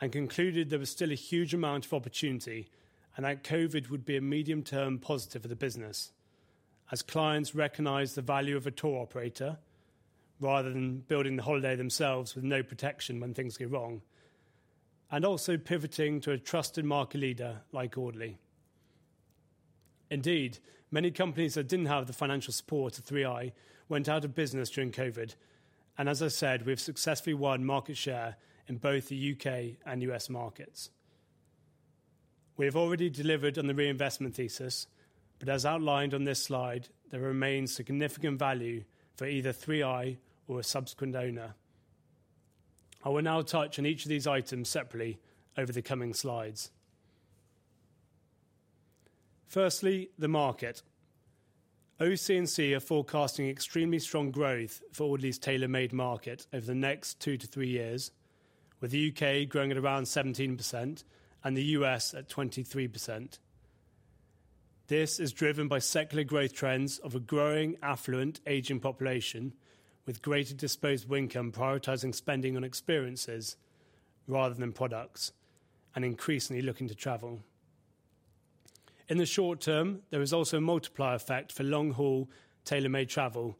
and concluded there was still a huge amount of opportunity and that COVID would be a medium-term positive for the business, as clients recognized the value of a tour operator rather than building the holiday themselves with no protection when things go wrong, and also pivoting to a trusted market leader like Audley. Indeed, many companies that didn't have the financial support of 3i went out of business during COVID, and as I said, we've successfully won market share in both the U.K. and U.S. markets. We have already delivered on the reinvestment thesis, but as outlined on this slide, there remains significant value for either 3i or a subsequent owner. I will now touch on each of these items separately over the coming slides. Firstly, the market. OC&C are forecasting extremely strong growth for Audley's tailor-made market over the next two to three years, with the U.K. growing at around 17% and the U.S. at 23%. This is driven by secular growth trends of a growing, affluent, aging population with greater disposable income, prioritizing spending on experiences rather than products, and increasingly looking to travel. In the short term, there is also a multiplier effect for long-haul, tailor-made travel,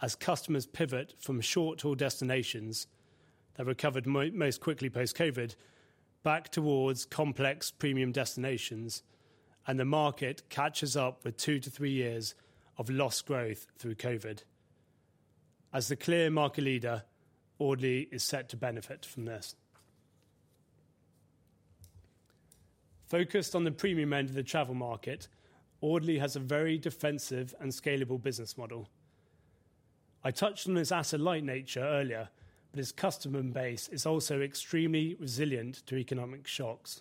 as customers pivot from short-haul destinations that recovered most quickly post-COVID, back towards complex premium destinations, and the market catches up with two to three years of lost growth through COVID. As the clear market leader, Audley is set to benefit from this. Focused on the premium end of the travel market, Audley has a very defensive and scalable business model. I touched on its asset-light nature earlier, but its customer base is also extremely resilient to economic shocks.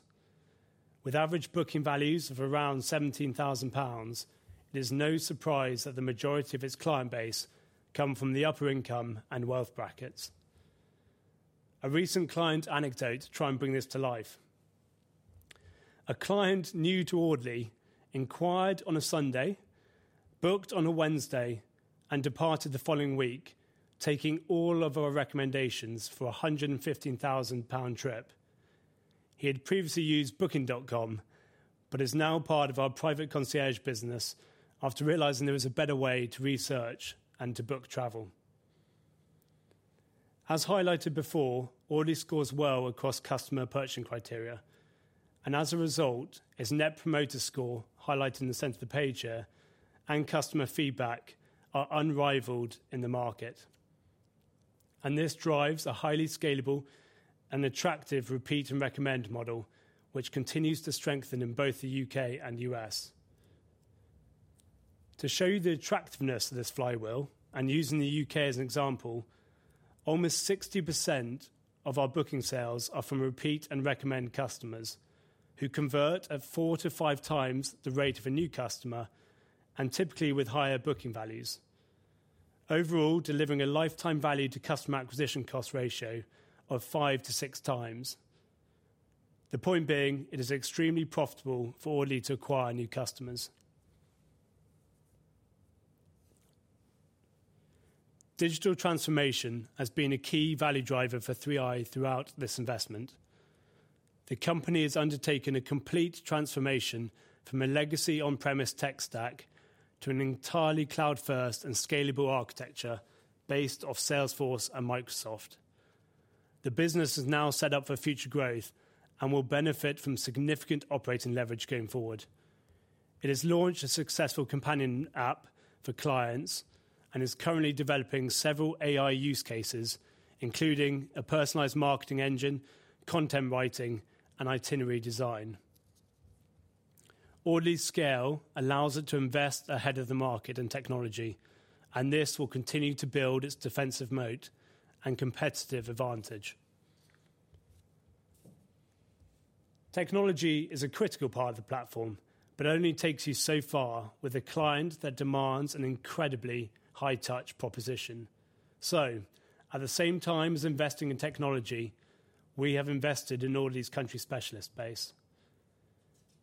With average booking values of around 17,000 pounds, it is no surprise that the majority of its client base come from the upper income and wealth brackets. A recent client anecdote to try and bring this to life: "A client new to Audley inquired on a Sunday, booked on a Wednesday, and departed the following week, taking all of our recommendations for a 115,000 pound trip. He had previously used Booking.com, but is now part of our private concierge business after realizing there was a better way to research and to book travel." As highlighted before, Audley scores well across customer purchasing criteria, and as a result, its Net Promoter Score, highlighted in the center of the page here, and customer feedback are unrivaled in the market. And this drives a highly scalable and attractive repeat and recommend model, which continues to strengthen in both the U.K. and US. To show you the attractiveness of this flywheel, and using the U.K. as an example, almost 60% of our booking sales are from repeat and recommend customers, who convert at four to five times the rate of a new customer, and typically with higher booking values. Overall, delivering a lifetime value to customer acquisition cost ratio of five to six times. The point being, it is extremely profitable for Audley to acquire new customers. Digital transformation has been a key value driver for 3i throughout this investment. The company has undertaken a complete transformation from a legacy on-premise tech stack to an entirely cloud-first and scalable architecture based off Salesforce and Microsoft. The business is now set up for future growth and will benefit from significant operating leverage going forward. It has launched a successful companion app for clients, and is currently developing several AI use cases, including a personalized marketing engine, content writing, and itinerary design. Audley's scale allows it to invest ahead of the market in technology, and this will continue to build its defensive moat and competitive advantage. Technology is a critical part of the platform, but only takes you so far with a client that demands an incredibly high-touch proposition. So at the same time as investing in technology, we have invested in Audley's country specialist base.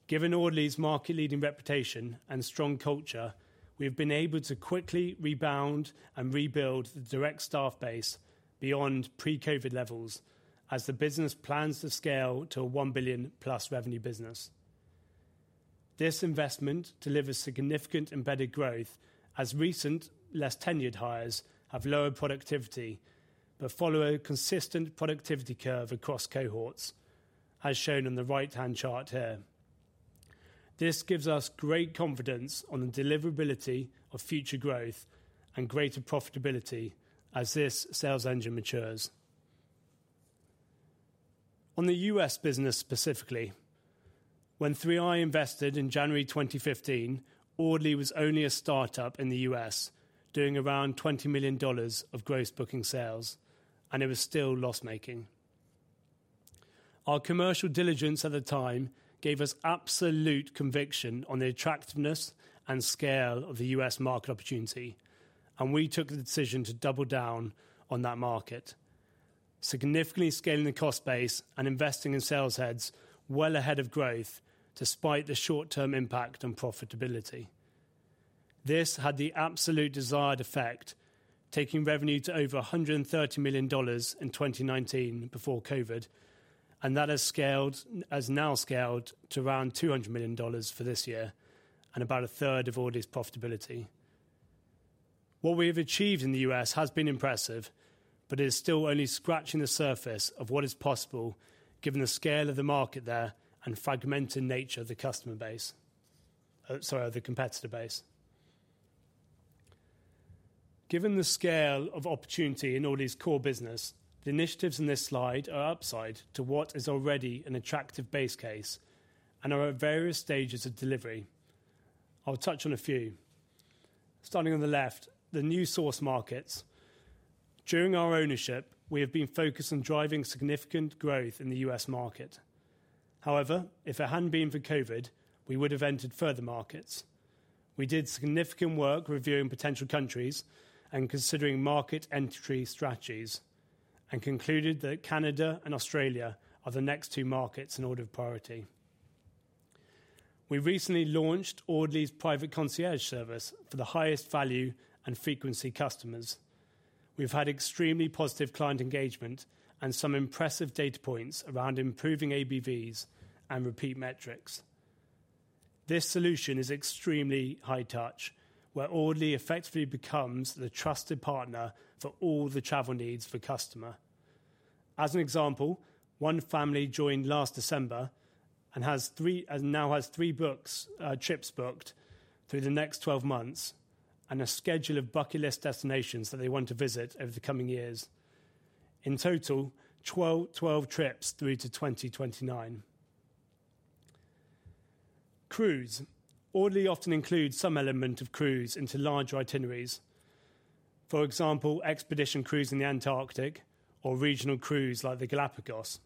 Given Audley's market-leading reputation and strong culture, we've been able to quickly rebound and rebuild the direct staff base beyond pre-COVID levels as the business plans to scale to a one billion plus revenue business. This investment delivers significant embedded growth, as recent, less tenured hires have lower productivity, but follow a consistent productivity curve across cohorts, as shown in the right-hand chart here. This gives us great confidence on the deliverability of future growth and greater profitability as this sales engine matures. On the U.S. business specifically, when 3i invested in January 2015, Audley was only a startup in the U.S., doing around $20 million of gross booking sales, and it was still loss-making. Our commercial diligence at the time gave us absolute conviction on the attractiveness and scale of the U.S. market opportunity, and we took the decision to double down on that market, significantly scaling the cost base and investing in sales heads well ahead of growth, despite the short-term impact on profitability. This had the absolute desired effect, taking revenue to over $130 million in 2019 before COVID, and that has now scaled to around $200 million for this year, and about a third of Audley's profitability. What we have achieved in the U.S. has been impressive, but it is still only scratching the surface of what is possible given the scale of the market there and fragmented nature of the customer base, sorry, of the competitor base. Given the scale of opportunity in Audley's core business, the initiatives in this slide are upside to what is already an attractive base case and are at various stages of delivery. I'll touch on a few. Starting on the left, the new source markets. During our ownership, we have been focused on driving significant growth in the U.S. market. However, if it hadn't been for COVID, we would have entered further markets. We did significant work reviewing potential countries and considering market entry strategies, and concluded that Canada and Australia are the next two markets in order of priority. We recently launched Audley's private concierge service for the highest value and frequency customers. We've had extremely positive client engagement and some impressive data points around improving ABVs and repeat metrics. This solution is extremely high touch, where Audley effectively becomes the trusted partner for all the travel needs of a customer. As an example, one family joined last December and has three and now has three booked trips through the next 12 months, and a schedule of bucket list destinations that they want to visit over the coming years. In total, 12 trips through to 2029. Cruise. Audley often includes some element of cruise into larger itineraries. For example, expedition cruise in the Antarctic or regional cruise like the Galapagos.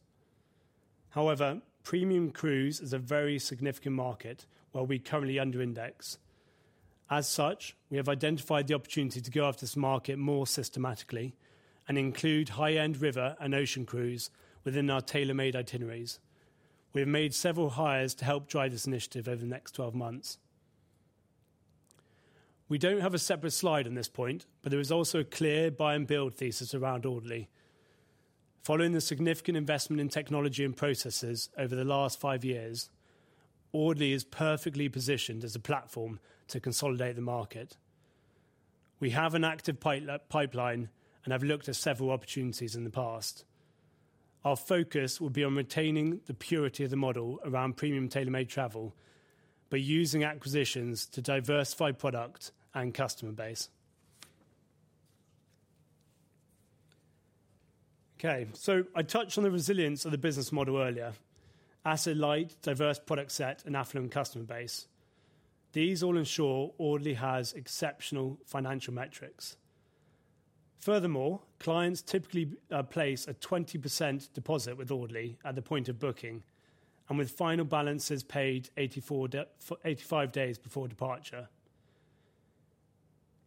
However, premium cruise is a very significant market, where we currently under index. As such, we have identified the opportunity to go after this market more systematically and include high-end river and ocean cruise within our tailor-made itineraries. We have made several hires to help drive this initiative over the next twelve months. We don't have a separate slide on this point, but there is also a clear buy and build thesis around Audley. Following the significant investment in technology and processes over the last five years, Audley is perfectly positioned as a platform to consolidate the market. We have an active pipeline and have looked at several opportunities in the past. Our focus will be on retaining the purity of the model around premium tailor-made travel, but using acquisitions to diversify product and customer base. Okay, so I touched on the resilience of the business model earlier: asset-light, diverse product set, and affluent customer base. These all ensure Audley has exceptional financial metrics. Furthermore, clients typically place a 20% deposit with Audley at the point of booking, and with final balances paid 85 days before departure.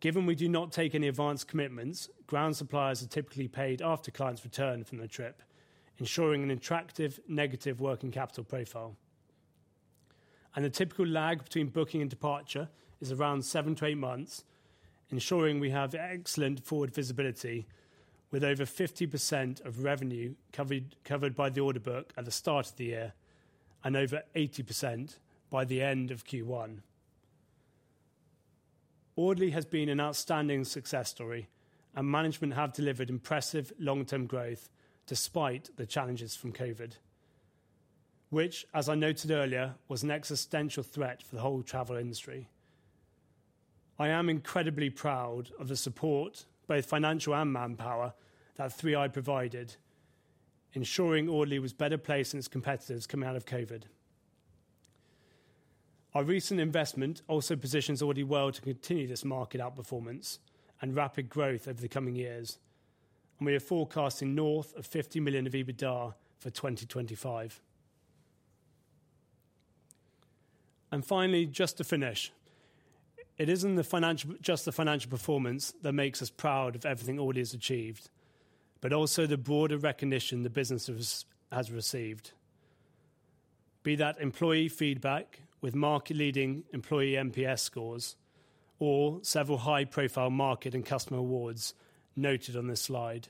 Given we do not take any advance commitments, ground suppliers are typically paid after clients return from their trip, ensuring an attractive negative working capital profile. The typical lag between booking and departure is around seven to eight months, ensuring we have excellent forward visibility, with over 50% of revenue covered by the order book at the start of the year and over 80% by the end of Q1. Audley has been an outstanding success story, and management have delivered impressive long-term growth despite the challenges from COVID, which, as I noted earlier, was an existential threat for the whole travel industry. I am incredibly proud of the support, both financial and manpower, that 3i provided, ensuring Audley was better placed than its competitors coming out of COVID. Our recent investment also positions Audley well to continue this market outperformance and rapid growth over the coming years, and we are forecasting north of 50 million of EBITDA for 2025. Finally, just to finish, it isn't just the financial performance that makes us proud of everything Audley has achieved, but also the broader recognition the business has received, be that employee feedback with market-leading employee NPS scores or several high-profile market and customer awards noted on this slide.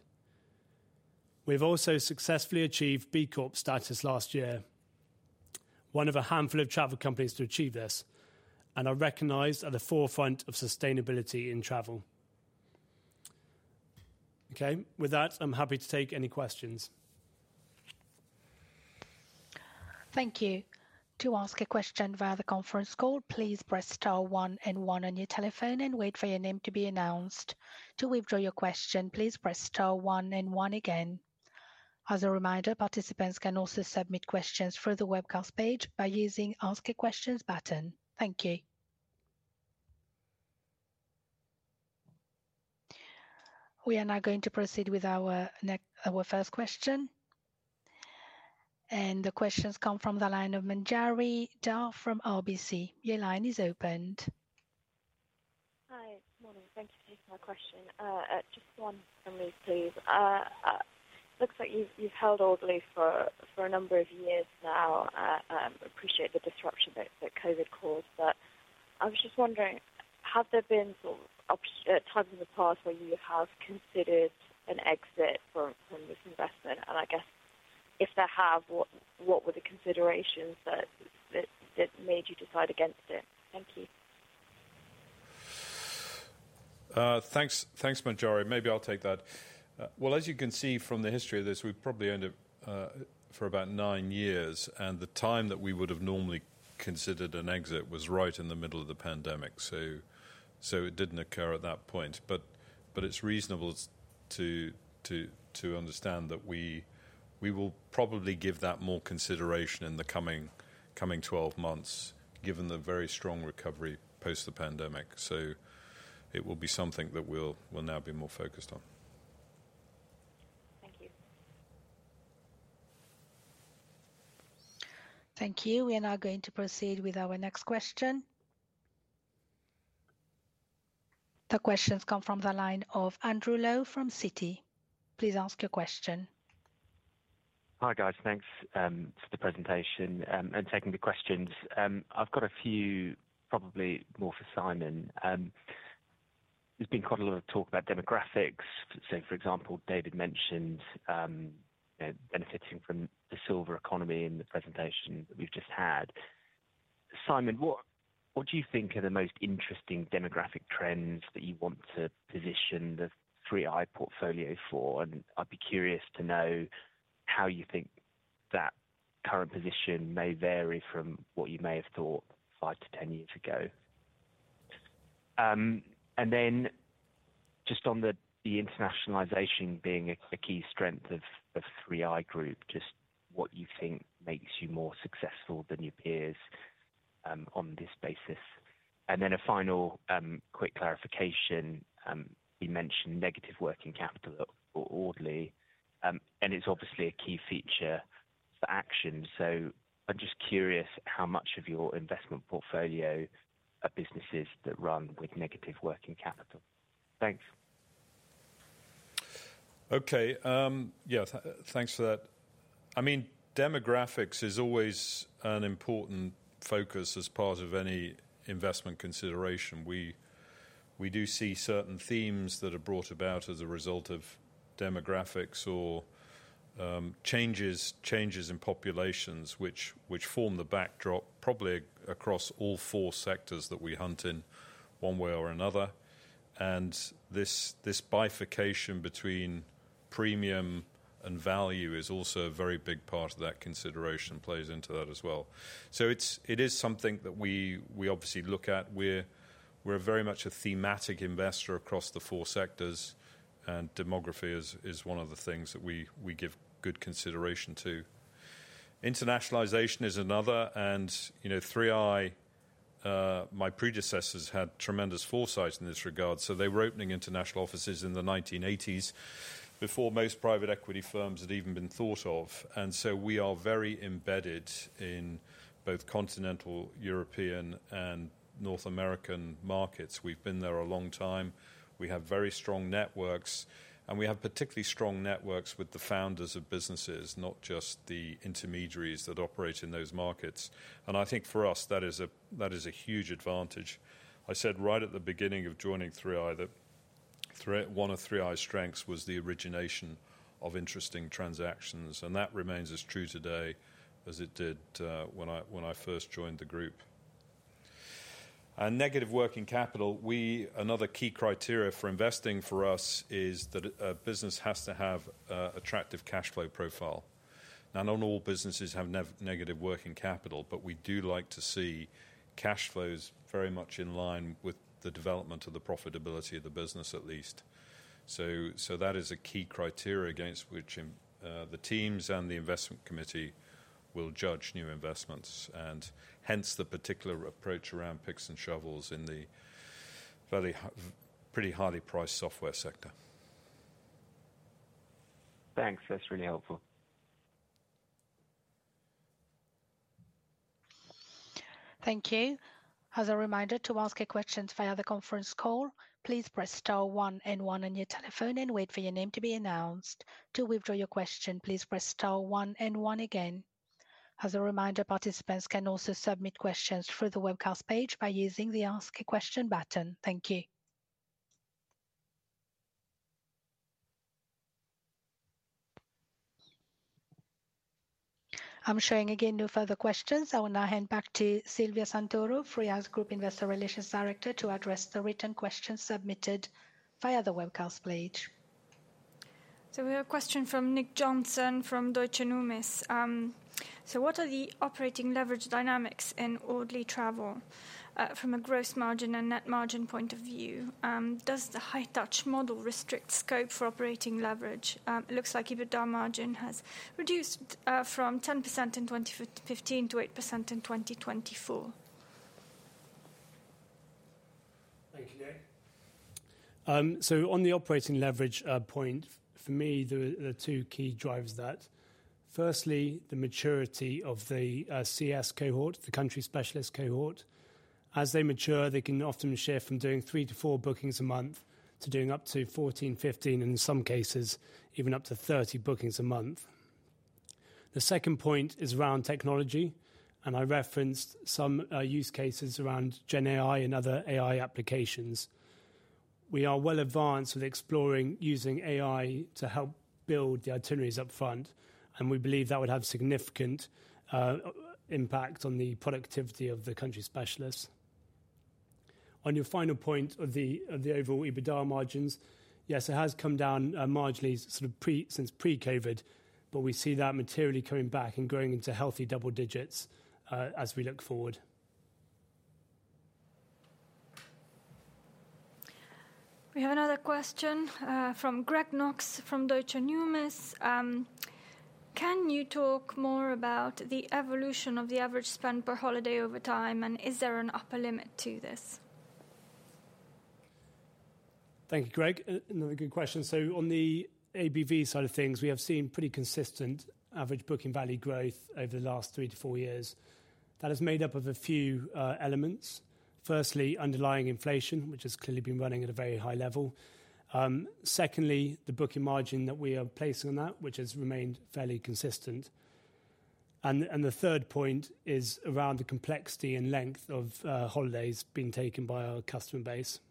We've also successfully achieved B Corp status last year, one of a handful of travel companies to achieve this, and are recognized at the forefront of sustainability in travel. Okay, with that, I'm happy to take any questions. Thank you. To ask a question via the conference call, please press star one and one on your telephone and wait for your name to be announced. To withdraw your question, please press star one and one again. As a reminder, participants can also submit questions through the webcast page by using Ask a Question button. Thank you. We are now going to proceed with our first question, and the question's come from the line of Manjari Dhar from RBC. Your line is opened. Hi. Morning. Thank you for taking my question. Just one for me, please. Looks like you've held Audley for a number of years now. Appreciate the disruption that COVID caused, but I was just wondering, have there been sort of times in the past where you have considered an exit from this investment? And I guess if there have, what were the considerations that made you decide against it? Thank you. Thanks, thanks, Manjari. Maybe I'll take that. Well, as you can see from the history of this, we've probably owned it for about nine years, and the time that we would have normally considered an exit was right in the middle of the pandemic, so it didn't occur at that point. But it's reasonable to understand that we will probably give that more consideration in the coming 12 months, given the very strong recovery post the pandemic. So it will be something that we'll now be more focused on. Thank you. Thank you. We are now going to proceed with our next question. The question's come from the line of Andrew Lowe from Citi. Please ask your question. Hi, guys. Thanks for the presentation and taking the questions. I've got a few, probably more for Simon. There's been quite a lot of talk about demographics. So, for example, David mentioned, you know, benefiting from the silver economy in the presentation that we've just had. Simon, what do you think are the most interesting demographic trends that you want to position the 3i portfolio for? And I'd be curious to know how you think that current position may vary from what you may have thought five to ten years ago. And then just on the internationalization being a key strength of 3i Group, just what you think makes you more successful than your peers on this basis? And then a final quick clarification. You mentioned negative working capital for Audley, and it's obviously a key feature for Action, so I'm just curious how much of your investment portfolio are businesses that run with negative working capital? Thanks. Okay. Yeah, thanks for that. I mean, demographics is always an important focus as part of any investment consideration. We do see certain themes that are brought about as a result of demographics or changes in populations which form the backdrop, probably across all four sectors that we hunt in, one way or another, and this bifurcation between premium and value is also a very big part of that consideration, plays into that as well, so it is something that we obviously look at. We're very much a thematic investor across the four sectors, and demography is one of the things that we give good consideration to. Internationalization is another, and, you know, 3i, my predecessors had tremendous foresight in this regard, so they were opening international offices in the nineteen eighties before most private equity firms had even been thought of. And so we are very embedded in both continental European and North American markets. We've been there a long time. We have very strong networks, and we have particularly strong networks with the founders of businesses, not just the intermediaries that operate in those markets. And I think for us, that is a, that is a huge advantage. I said right at the beginning of joining 3i, that one of 3i's strengths was the origination of interesting transactions, and that remains as true today as it did, when I first joined the group. Negative working capital, another key criteria for investing for us is that a business has to have an attractive cash flow profile. Now, not all businesses have negative working capital, but we do like to see cash flows very much in line with the development of the profitability of the business, at least. So, that is a key criteria against which the teams and the investment committee will judge new investments, and hence, the particular approach around picks and shovels in the fairly pretty highly priced software sector. Thanks. That's really helpful. Thank you. As a reminder, to ask a question via the conference call, please press star one and one on your telephone and wait for your name to be announced. To withdraw your question, please press star one and one again. As a reminder, participants can also submit questions through the webcast page by using the Ask a Question button. Thank you. I'm showing again no further questions. I will now hand back to Silvia Santoro, 3i's Group Investor Relations Director, to address the written questions submitted via the webcast page. We have a question from Nick Johnson from Deutsche Numis. What are the operating leverage dynamics in Audley Travel, from a gross margin and net margin point of view? Does the high touch model restrict scope for operating leverage? It looks like EBITDA margin has reduced, from 10% in 2015 to 8% in 2024. Thank you, Nick. So on the operating leverage point, for me, there are two key drivers that firstly, the maturity of the CS cohort, the country specialist cohort. As they mature, they can often shift from doing 3-4 bookings a month to doing up to 14, 15, and in some cases, even up to 30 bookings a month. The second point is around technology, and I referenced some use cases around GenAI and other AI applications. We are well advanced with exploring using AI to help build the itineraries upfront, and we believe that would have significant impact on the productivity of the country specialists. On your final point of the overall EBITDA margins, yes, it has come down marginally since pre-COVID, but we see that materially coming back and growing into healthy double digits as we look forward. We have another question from Greg Knox, from Deutsche Numis. Can you talk more about the evolution of the average spend per holiday over time, and is there an upper limit to this? Thank you, Greg. Another good question. So on the ABV side of things, we have seen pretty consistent average booking value growth over the last three to four years. That is made up of a few elements. Firstly, underlying inflation, which has clearly been running at a very high level. Secondly, the booking margin that we are placing on that, which has remained fairly consistent. And the third point is around the complexity and length of holidays being taken by our customer base.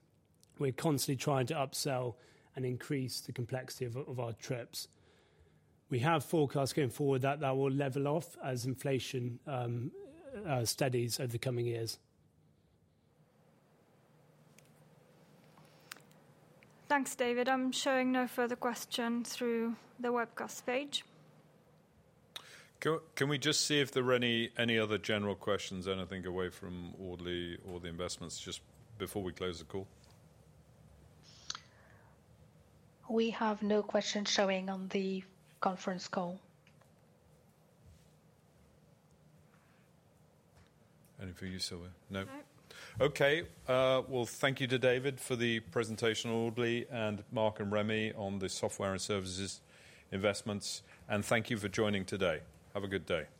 We're constantly trying to upsell and increase the complexity of our trips. We have forecasts going forward that that will level off as inflation steadies over the coming years. Thanks, David. I'm showing no further questions through the webcast page. Can we just see if there are any other general questions, anything away from Audley or the investments, just before we close the call? We have no questions showing on the conference call. Anything for you, Silvia? No. No. Okay, well, thank you to David for the presentation on Audley, and Marc and Rémi on the software and services investments, and thank you for joining today. Have a good day.